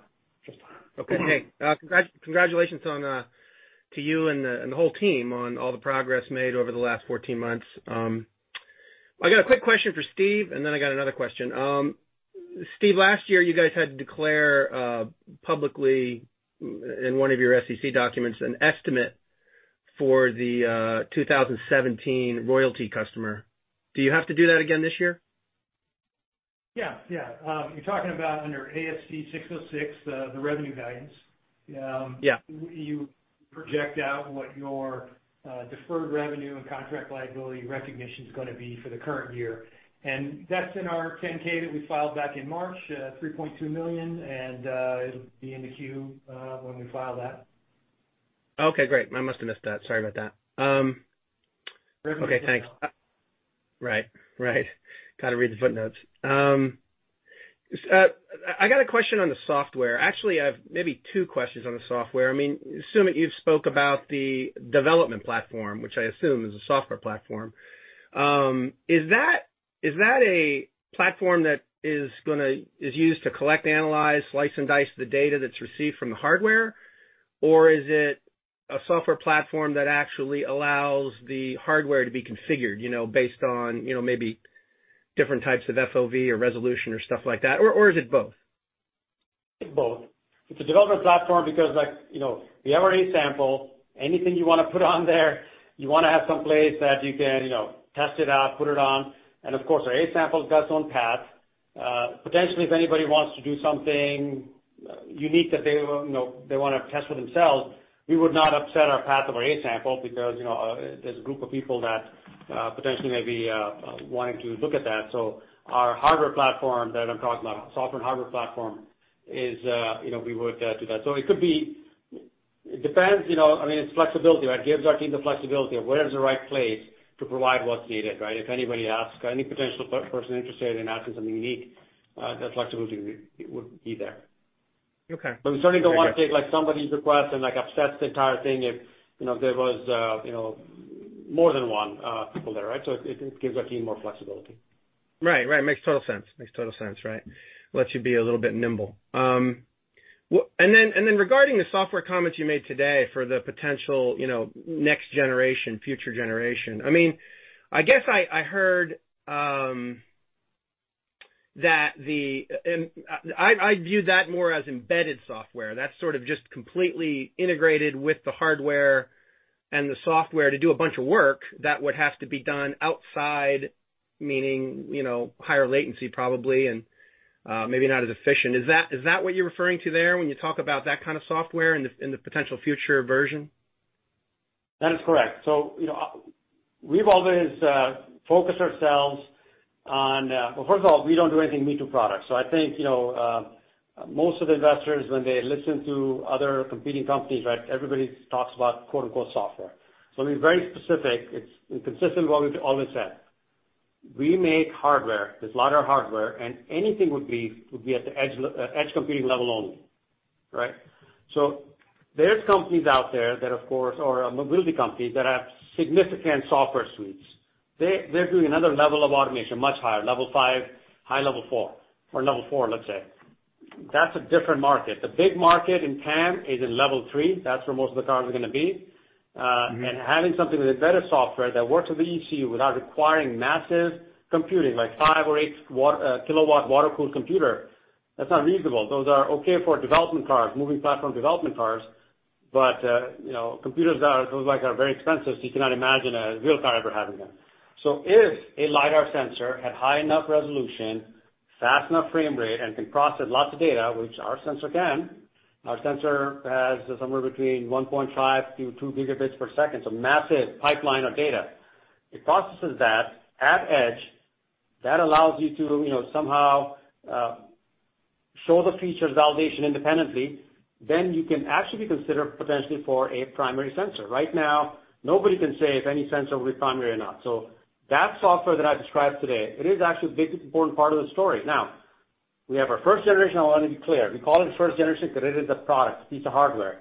Just fine. Okay. Hey, congratulations to you and the whole team on all the progress made over the last 14 months. I got a quick question for Steve, and then I got another question. Steve, last year, you guys had to declare publicly in one of your SEC documents an estimate for the 2017 royalty customer. Do you have to do that again this year? Yeah. You're talking about under ASC 606, the revenue guidance? Yeah. You project out what your deferred revenue and contract liability recognition is going to be for the current year. That's in our 10-K that we filed back in March, $3.2 million, and it'll be in the Q when we file that. Okay, great. I must have missed that. Sorry about that. Everything's there now. Thanks. Right. Got to read the footnotes. I got a question on the software. Actually, I have maybe two questions on the software. Sumit, you spoke about the development platform, which I assume is a software platform. Is that a platform that is used to collect, analyze, slice and dice the data that's received from the hardware? Or is it a software platform that actually allows the hardware to be configured, based on maybe different types of FOV or resolution or stuff like that? Or is it both? It's both. It's a development platform because we have our A-sample. Anything you want to put on there, you want to have some place that you can test it out, put it on. Of course, our A-sample has got its own path. Potentially, if anybody wants to do something unique that they want to test for themselves, we would not upset our path of our A-sample because there's a group of people that potentially may be wanting to look at that. Our hardware platform that I'm talking about, software and hardware platform is we would do that. It depends, it's flexibility, right? It gives our team the flexibility of where is the right place to provide what's needed, right? If anybody asks, any potential person interested in adding something unique, that flexibility would be there. Okay. We certainly don't want to take somebody's request and upset the entire thing if there was more than one person there, right? It gives our team more flexibility. Right. Makes total sense, right? Lets you be a little bit nimble. Regarding the software comments you made today for the potential next generation, future generation, I guess I heard that I view that more as embedded software. That's sort of just completely integrated with the hardware and the software to do a bunch of work that would have to be done outside, meaning higher latency probably, and maybe not as efficient. Is that what you're referring to there when you talk about that kind of software in the potential future version? That is correct. We've always focused ourselves on. Well, first of all, we don't do anything me-too products. I think, most of the investors, when they listen to other competing companies, right, everybody talks about quote-unquote, software. To be very specific, it's consistent with what we've always said. We make hardware. There's LiDAR hardware, and anything would be at the edge computing level only, right? There's companies out there that, of course, or mobility companies that have significant software suites. They're doing another level of automation, much higher, level five, high level four or level four, let's say. That's a different market. The big market in CAM is in level three. That's where most of the cars are gonna be. Having something with embedded software that works with the ECU without requiring massive computing, like 5 kW or 8 kW water-cooled computer, that's not reasonable. Those are okay for development cars, moving platform development cars. Computers those like are very expensive, so you cannot imagine a real car ever having them. If a LiDAR sensor had high enough resolution, fast enough frame rate, and can process lots of data, which our sensor can, our sensor has somewhere between 1.5 Gb-2 Gb per second, so massive pipeline of data. It processes that at edge. That allows you to somehow show the features validation independently, then you can actually be considered potentially for a primary sensor. Right now, nobody can say if any sensor will be primary or not. That software that I described today, it is actually a big important part of the story. Now, we have our first generation. I want to be clear. We call it the first generation because it is a product, a piece of hardware.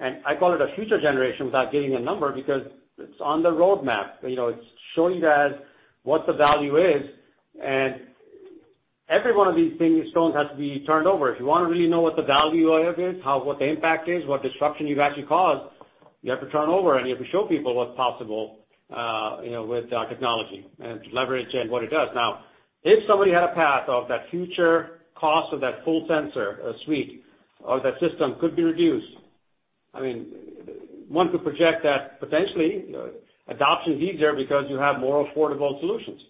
I call it a future generation without giving a number because it's on the roadmap. It's showing that what the value is and every one of these things, stones, has to be turned over. If you want to really know what the value of it is, what the impact is, what disruption you've actually caused, you have to turn over and you have to show people what's possible with technology and leverage it and what it does. Now, if somebody had a path of that future cost of that full sensor suite or that system could be reduced, one could project that potentially adoption is easier because you have more affordable solutions.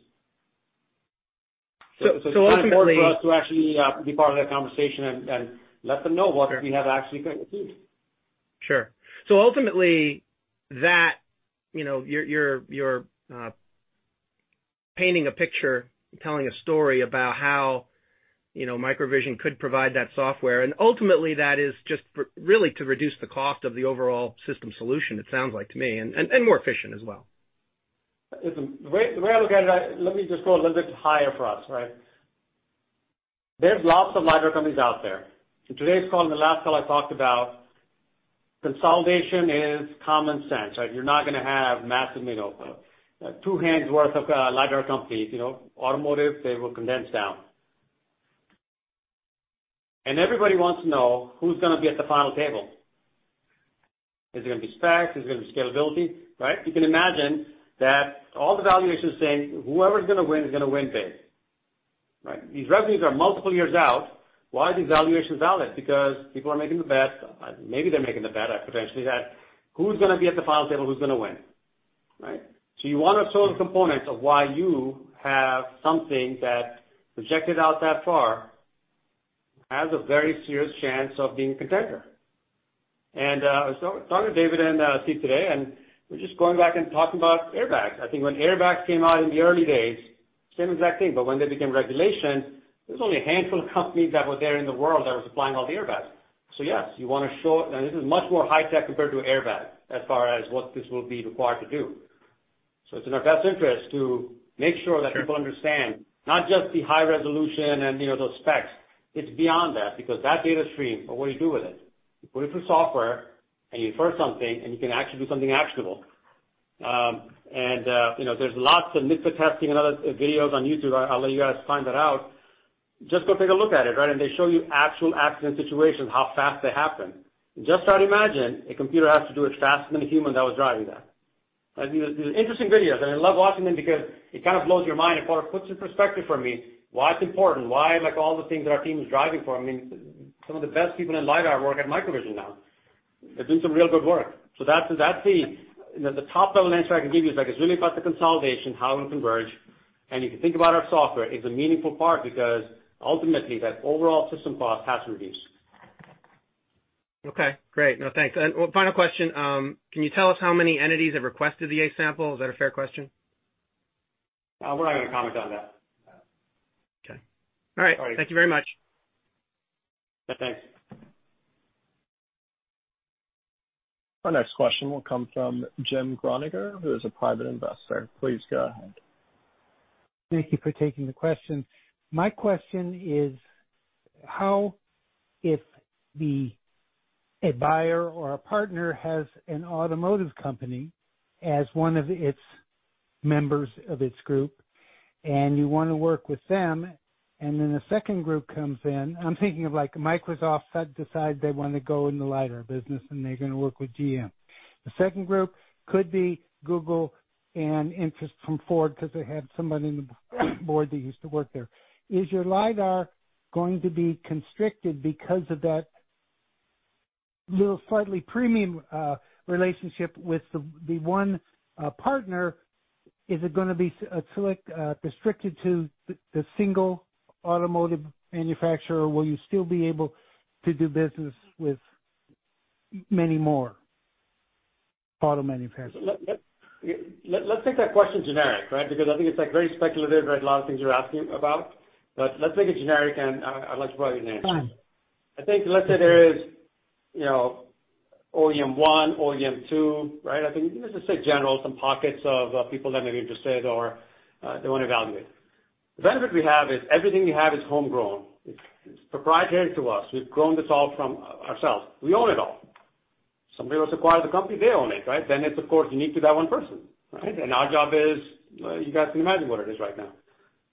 It's kind of important for us to actually be part of that conversation and let them know what we have actually going to achieve. Sure. Ultimately, you're painting a picture, telling a story about how MicroVision could provide that software, and ultimately that is just really to reduce the cost of the overall system solution, it sounds like to me, and more efficient as well. The way I look at it, let me just go a little bit higher for us, right? There's lots of LiDAR companies out there. In today's call and the last call I talked about, consolidation is common sense, right? You're not gonna have massive, two hands worth of LiDAR companies. Automotive, they will condense down. Everybody wants to know who's gonna be at the final table. Is it gonna be specs? Is it gonna be scalability? Right? You can imagine that all the valuations saying whoever's gonna win is gonna win big, right? These revenues are multiple years out. Why are these valuations valid? Because people are making the bet. Maybe they're making the bet potentially that who's gonna be at the final table, who's gonna win? Right? You want to show the components of why you have something that projected out that far has a very serious chance of being a contender. I was talking to David and Steve today, and we're just going back and talking about airbags. I think when airbags came out in the early days, same exact thing, but when they became regulation, there was only a handful of companies that were there in the world that were supplying all the airbags. Yes, you want to show, and this is much more high-tech compared to an airbag as far as what this will be required to do. It's in our best interest to make sure that people understand not just the high resolution and those specs. It's beyond that because that data stream, but what do you do with it? You put it through software and you infer something, and you can actually do something actionable. There's lots of NHTSA testing and other videos on YouTube. I'll let you guys find that out. Just go take a look at it, right? They show you actual accident situations, how fast they happen. Just try to imagine a computer has to do it faster than a human that was driving that. They're interesting videos, and I love watching them because it kind of blows your mind and kind of puts in perspective for me why it's important, why all the things that our team is driving for. I mean, some of the best people in LiDAR work at MicroVision now. They're doing some real good work. The top-level answer I can give you is it's really about the consolidation, how it will converge. If you think about our software, it's a meaningful part because ultimately that overall system cost has to reduce. Okay, great. No, thanks. One final question. Can you tell us how many entities have requested the A-sample? Is that a fair question? We're not going to comment on that. Okay. All right. Thank you very much. Yeah, thanks. Our next question will come from Jim Groniger, who is a private investor. Please go ahead. Thank you for taking the question. My question is how if a buyer or a partner has an automotive company as one of its members of its group and you want to work with them, and then a second group comes in. I'm thinking of like Microsoft decides they want to go in the LiDAR business and they're gonna work with GM. The second group could be Google and interest from Ford because they had somebody on the board that used to work there. Is your LiDAR going to be constricted because of that little slightly premium relationship with the one partner? Is it going to be restricted to the single automotive manufacturer, will you still be able to do business with many more auto manufacturers? Let's take that question generic, right? I think it's very speculative, right? A lot of things you're asking about. Let's take it generic, and I'd like to provide you an answer. Fine. I think, let's say there is OEM 1, OEM 2, right? I think let's just say general, some pockets of people that may be interested or they want to evaluate. The benefit we have is everything we have is homegrown. It's proprietary to us. We've grown this all from ourselves. We own it all. Somebody once acquired the company, they own it, right? It's, of course, unique to that one person, right? Our job is, you guys can imagine what it is right now.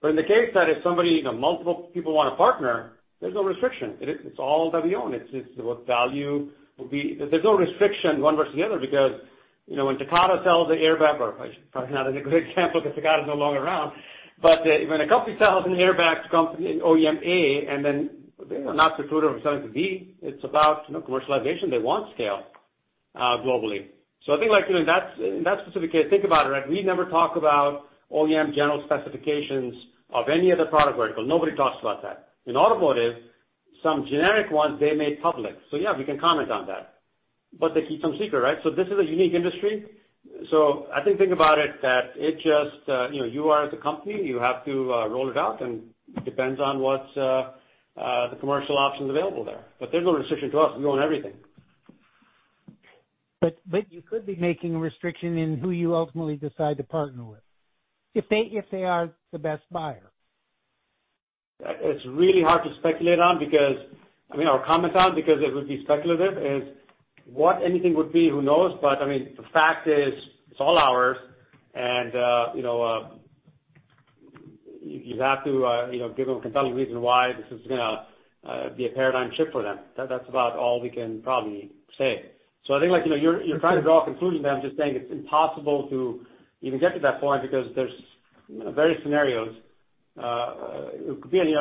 In the case that if somebody, multiple people want to partner, there's no restriction. It's all that we own. There's no restriction one versus the other because, when Takata sells the airbag Probably not a good example because Takata is no longer around. When a company sells an airbag to company OEM A and then they are not prohibited from selling to B, it's about commercialization. They want scale globally. I think, in that specific case, think about it, right? We never talk about OEM general specifications of any of the product vertical. Nobody talks about that. In automotive, some generic ones they made public. Yeah, we can comment on that. They keep some secret, right? This is a unique industry. I think about it that, you are as a company, you have to roll it out and depends on what's the commercial options available there. There's no restriction to us. We own everything. You could be making a restriction in who you ultimately decide to partner with, if they are the best buyer. It's really hard to speculate on because I mean, I'll comment on because it would be speculative, is what anything would be, who knows? I mean, the fact is it's all ours, and you have to give them a compelling reason why this is going to be a paradigm shift for them. That's about all we can probably say. I think you're trying to draw a conclusion that I'm just saying it's impossible to even get to that point because there's various scenarios. Everybody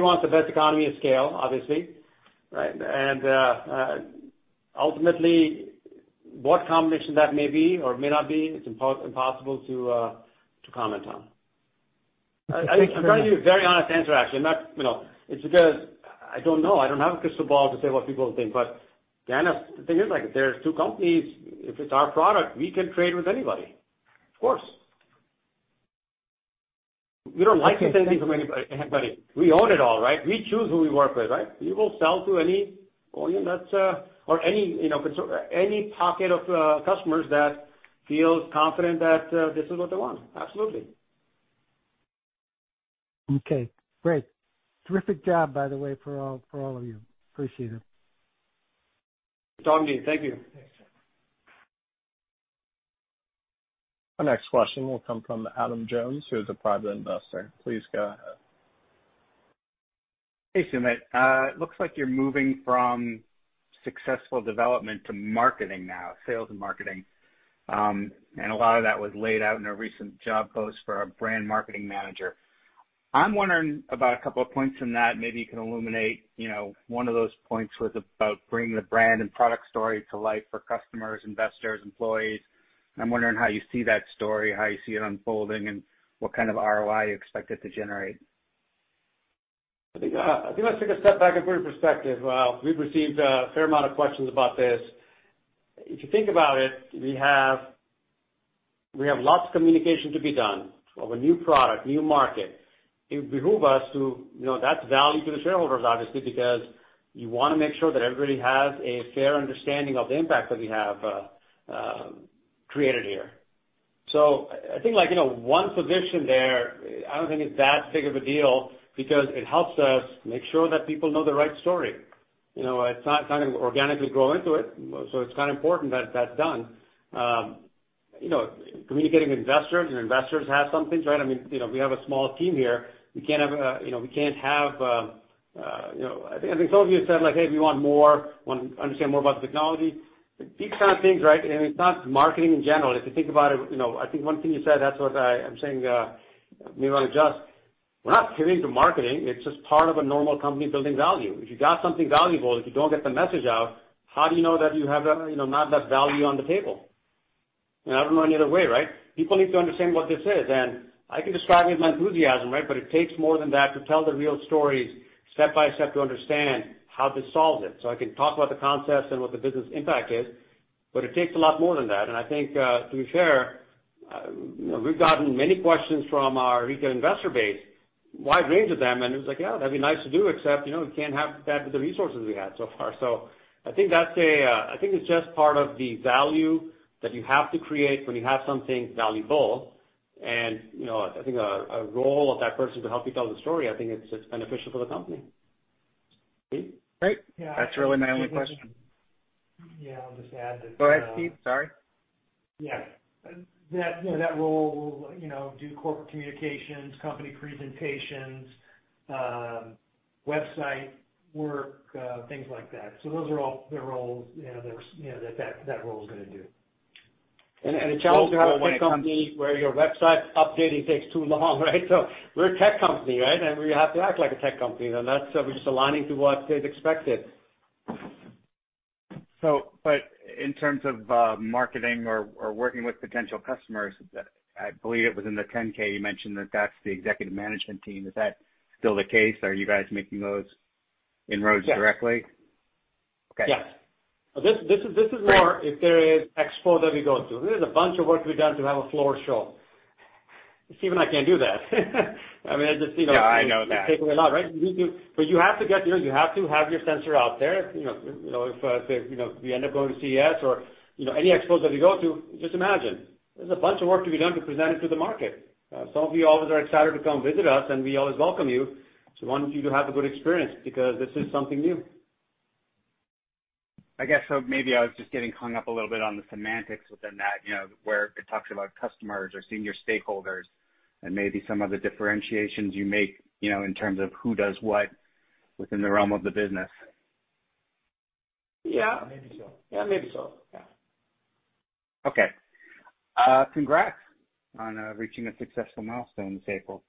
wants the best economy of scale, obviously, right? Ultimately, what combination that may be or may not be, it's impossible to comment on. I'm trying to give you a very honest answer, actually. It's because I don't know. I don't have a crystal ball to say what people think, then, the thing is like, if there's two companies, if it's our product, we can trade with anybody. Of course. We don't like to take things from anybody. We own it all, right? We choose who we work with, right? We will sell to any OEM or any pocket of customers that feels confident that this is what they want. Absolutely. Okay, great. Terrific job, by the way, for all of you. Appreciate it. Talking to you. Thank you. Our next question will come from Adam Jones, who is a private investor. Please go ahead. Hey, Sumit. Looks like you're moving from successful development to marketing now, sales and marketing. A lot of that was laid out in a recent job post for our brand marketing manager. I'm wondering about a couple of points from that. Maybe you can illuminate one of those points was about bringing the brand and product story to life for customers, investors, employees. I'm wondering how you see that story, how you see it unfolding, and what kind of ROI you expect it to generate. I think let's take a step back and put it in perspective. We've received a fair amount of questions about this. If you think about it, we have lots of communication to be done of a new product, new market. That's value to the shareholders, obviously, because you want to make sure that everybody has a fair understanding of the impact that we have created here. I think one position there, I don't think it's that big of a deal because it helps us make sure that people know the right story. It's not going to organically grow into it's kind of important that that's done. Communicating with investors, your investors have some things, right? I mean, we have a small team here. I think some of you said, like, "Hey, we want more. Want to understand more about the technology." These kinds of things, right? It's not marketing in general. If you think about it, I think one thing you said, that's what I'm saying, maybe I'll adjust. We're not pivoting to marketing. It's just part of a normal company building value. If you got something valuable, if you don't get the message out, how do you know that you have not that value on the table? I don't know any other way, right? People need to understand what this is. I can describe it with my enthusiasm, right? It takes more than that to tell the real stories step by step to understand how this solves it. I can talk about the concepts and what the business impact is, but it takes a lot more than that. I think, to be fair, we've gotten many questions from our retail investor base, wide range of them, and it was like, yeah, that'd be nice to do, except, we can't have that with the resources we had so far. I think it's just part of the value that you have to create when you have something valuable. I think a role of that person to help you tell the story, I think it's beneficial for the company. Steve? Great. That's really my only question. Yeah, I'll just add that- Go ahead, Steve. Sorry. Yeah. That role will do corporate communications, company presentations, website work, things like that. Those are all the roles that role is going to do. A challenge we have as a company where your website updating takes too long, right? We're a tech company, right? We have to act like a tech company. That's just aligning to what is expected. In terms of marketing or working with potential customers, I believe it was in the 10-K, you mentioned that that's the executive management team. Is that still the case? Are you guys making those inroads directly? Yes. Okay. Yes. This is more if there is expo that we go to. There is a bunch of work to be done to have a floor show. Steve and I can do that. I mean. Yeah, I know that. It's taking a lot, right? You have to have your sensor out there. If we end up going to CES or any expo that we go to, just imagine, there's a bunch of work to be done to present it to the market. Some of you always are excited to come visit us, and we always welcome you. Why don't you to have a good experience because this is something new. I guess maybe I was just getting hung up a little bit on the semantics within that, where it talks about customers or senior stakeholders and maybe some of the differentiations you make in terms of who does what within the realm of the business. Yeah. Maybe so. Yeah, maybe so. Yeah. Okay. Congrats on reaching a successful milestone this April.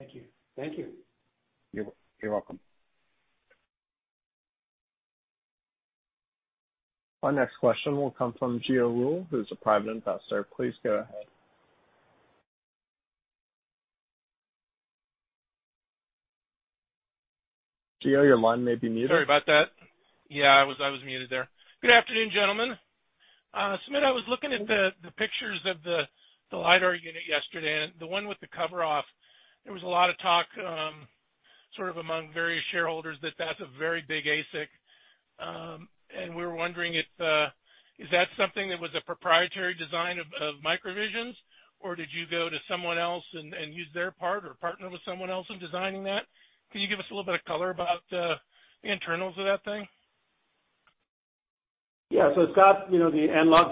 Thank you. Thank you. You're welcome. Our next question will come from Geo Rule, who's a private investor. Please go ahead. Geo, your line may be muted. Sorry about that. Yeah, I was muted there. Good afternoon, gentlemen. Sumit, I was looking at the pictures of the LiDAR unit yesterday and the one with the cover off. There was a lot of talk sort of among various shareholders that that's a very big ASIC. We were wondering is that something that was a proprietary design of MicroVision's, or did you go to someone else and use their part or partner with someone else in designing that? Can you give us a little bit of color about the internals of that thing? It's got the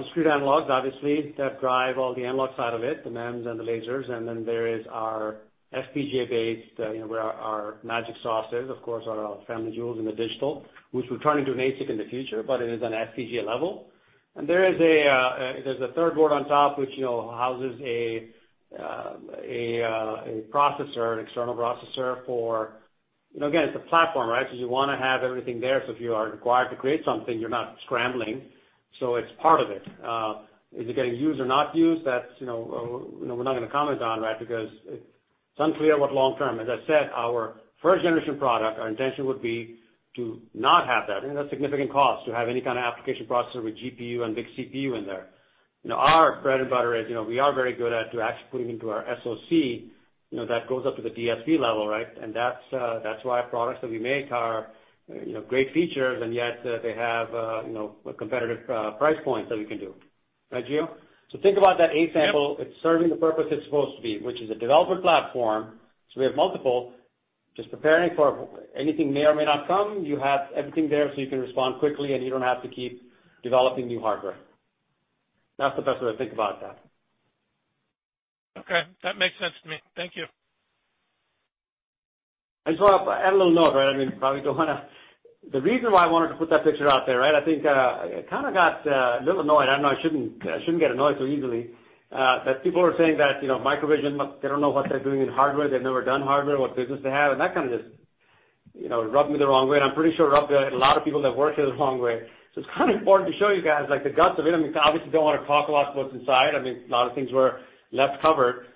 discrete analogs, obviously, that drive all the analog side of it, the MEMS and the lasers. There is our FPGA-based, where our magic sauce is, of course, our family jewels in the digital, which we're turning into an ASIC in the future, but it is an FPGA level. There's a third board on top which houses a processor, an external processor. Again, it's a platform, right? You want to have everything there, so if you are required to create something, you're not scrambling. It's part of it. Is it getting used or not used? That we're not going to comment on, right? As I said, our first-generation product, our intention would be to not have that. That's a significant cost to have any kind of application processor with GPU and big CPU in there. Our bread and butter is we are very good at to actually putting into our SOC that goes up to the DSP level, right? That's why products that we make are great features, and yet they have a competitive price point that we can do, right, Geo? Think about that A-sample. Yep. It's serving the purpose it's supposed to be, which is a developer platform. We have multiple, just preparing for anything may or may not come. You have everything there so you can respond quickly, and you don't have to keep developing new hardware. That's the best way to think about that. Okay. That makes sense to me. Thank you. I have a little note, right? The reason why I wanted to put that picture out there, right? I think I kind of got a little annoyed. I know I shouldn't get annoyed so easily. That people are saying that MicroVision, they don't know what they're doing in hardware. They've never done hardware, what business they have. That kind of just rubbed me the wrong way, and I'm pretty sure it rubbed a lot of people that work here the wrong way. It's kind of important to show you guys, like, the guts of it. I mean, obviously, don't want to talk a lot what's inside. I mean, a lot of things were left covered.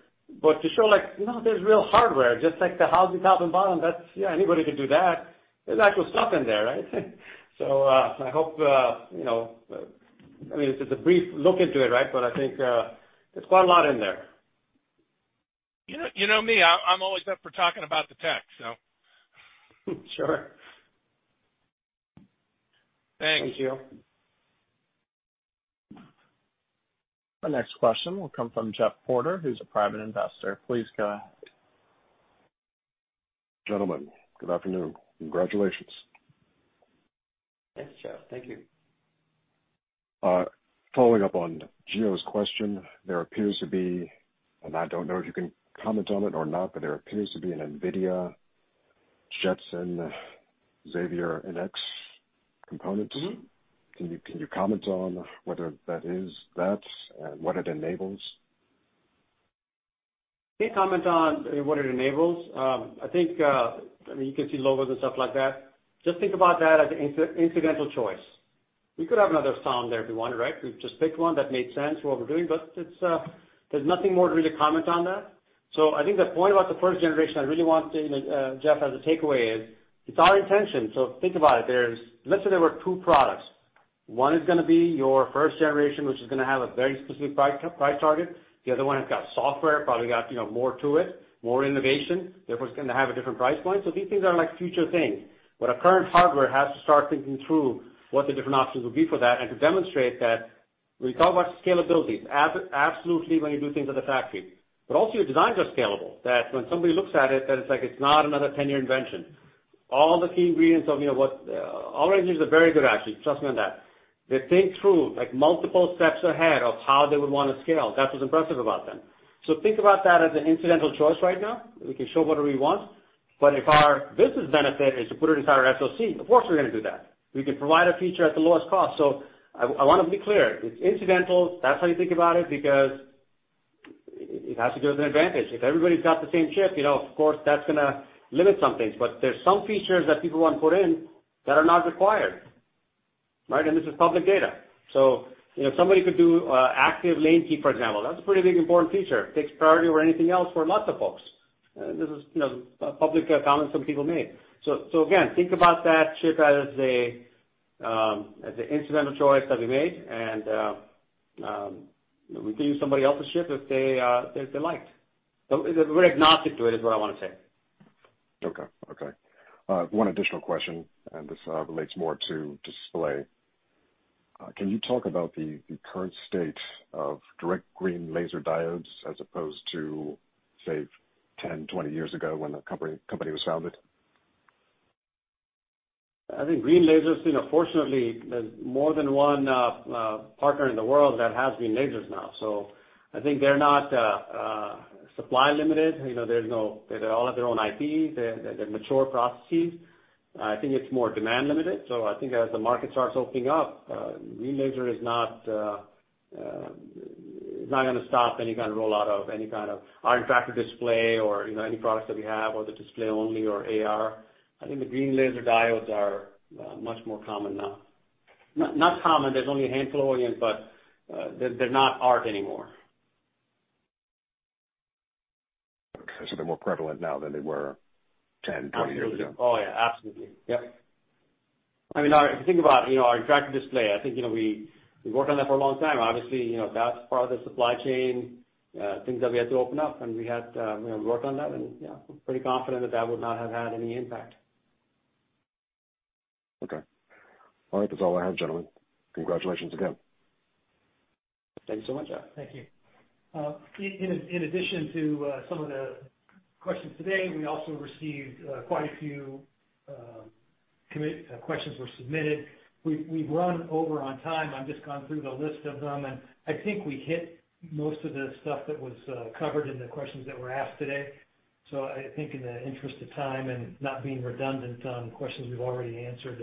To show like, no, there's real hardware, just like the housing top and bottom. Anybody could do that. There's actual stuff in there, right? I mean, this is a brief look into it, right? I think there's quite a lot in there. You know me, I'm always up for talking about the tech. Sure. Thanks. Thank you. Our next question will come from Jeff Porter, who's a private investor. Please go ahead. Gentlemen, good afternoon. Congratulations. Thanks, Jeff. Thank you. Following up on Geo's question, there appears to be, and I don't know if you can comment on it or not, but there appears to be an NVIDIA Jetson Xavier NX component. Can you comment on whether that is that and what it enables? Can comment on what it enables. I think, I mean, you can see logos and stuff like that. Just think about that as an incidental choice. We could have another SOM there if we wanted, right? We just picked one that made sense for what we're doing. There's nothing more to really comment on that. I think the point about the first generation, I really want, Jeff, as a takeaway is, it's our intention. Think about it. Let's say there were two products. One is gonna be your first generation, which is gonna have a very specific price target. The other one has got software, probably got more to it, more innovation, therefore it's gonna have a different price point. These things are like future things. Our current hardware has to start thinking through what the different options would be for that and to demonstrate that when we talk about scalability, absolutely, when you do things with the factory, but also your designs are scalable, that when somebody looks at it, that it's like it's not another 10-year invention. All engineers are very good, actually. Trust me on that. They think through like multiple steps ahead of how they would want to scale. That's what's impressive about them. Think about that as an incidental choice right now. We can show whatever we want, but if our business benefit is to put it inside our SoC, of course, we're gonna do that. We can provide a feature at the lowest cost. I want to be clear, it's incidental. That's how you think about it. It has to give us an advantage. If everybody's got the same chip, of course that's going to limit some things. There's some features that people want put in that are not required, right? This is public data. Somebody could do active lane keep, for example. That's a pretty big important feature. Takes priority over anything else for lots of folks. This is a public comment some people made. Again, think about that chip as an incidental choice that we made and we can use somebody else's chip if they liked. We're agnostic to it, is what I want to say. Okay. One additional question, and this relates more to display. Can you talk about the current state of direct green laser diodes as opposed to, say, 10, 20 years ago when the company was founded? I think green lasers, fortunately, there's more than one partner in the world that has green lasers now. I think they're not supply limited. They all have their own IPs. They're mature processes. I think it's more demand limited. I think as the market starts opening up, green laser is not going to stop any kind of rollout of any kind of eye-tracking display or any products that we have or the display only or AR. I think the green laser diodes are much more common now. Not common. There's only a handful of them, but they're not hard anymore. Okay. They're more prevalent now than they were 10, 20 years ago. Yeah, absolutely. Yep. If you think about our interactive display, I think we worked on that for a long time. Obviously, that's part of the supply chain, things that we had to open up, and we had to work on that and, yeah, we're pretty confident that that would not have had any impact. Okay. All right. That's all I have, gentlemen. Congratulations again. Thank you so much. Thank you. In addition to some of the questions today, we also received quite a few questions were submitted. We've run over on time. I've just gone through the list of them, and I think we hit most of the stuff that was covered in the questions that were asked today. I think in the interest of time and not being redundant on questions we've already answered,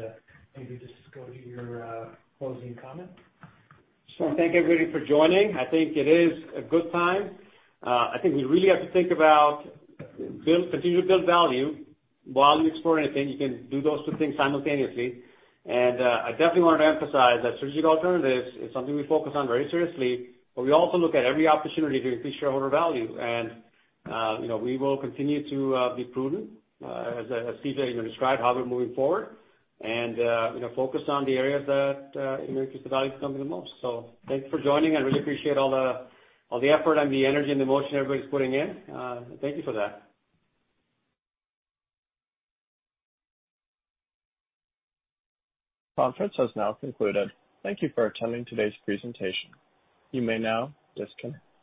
maybe just go to your closing comments. Thank you everybody for joining. I think it is a good time. I think we really have to think about continue to build value while you explore anything. You can do those two things simultaneously. I definitely wanted to emphasize that strategic alternatives is something we focus on very seriously, but we also look at every opportunity to increase shareholder value. We will continue to be prudent, as I just described, how we're moving forward and focus on the areas that increase the value to company the most. Thanks for joining. I really appreciate all the effort and the energy and the motion everybody's putting in. Thank you for that. Conference has now concluded. Thank you for attending today's presentation. You may now disconnect.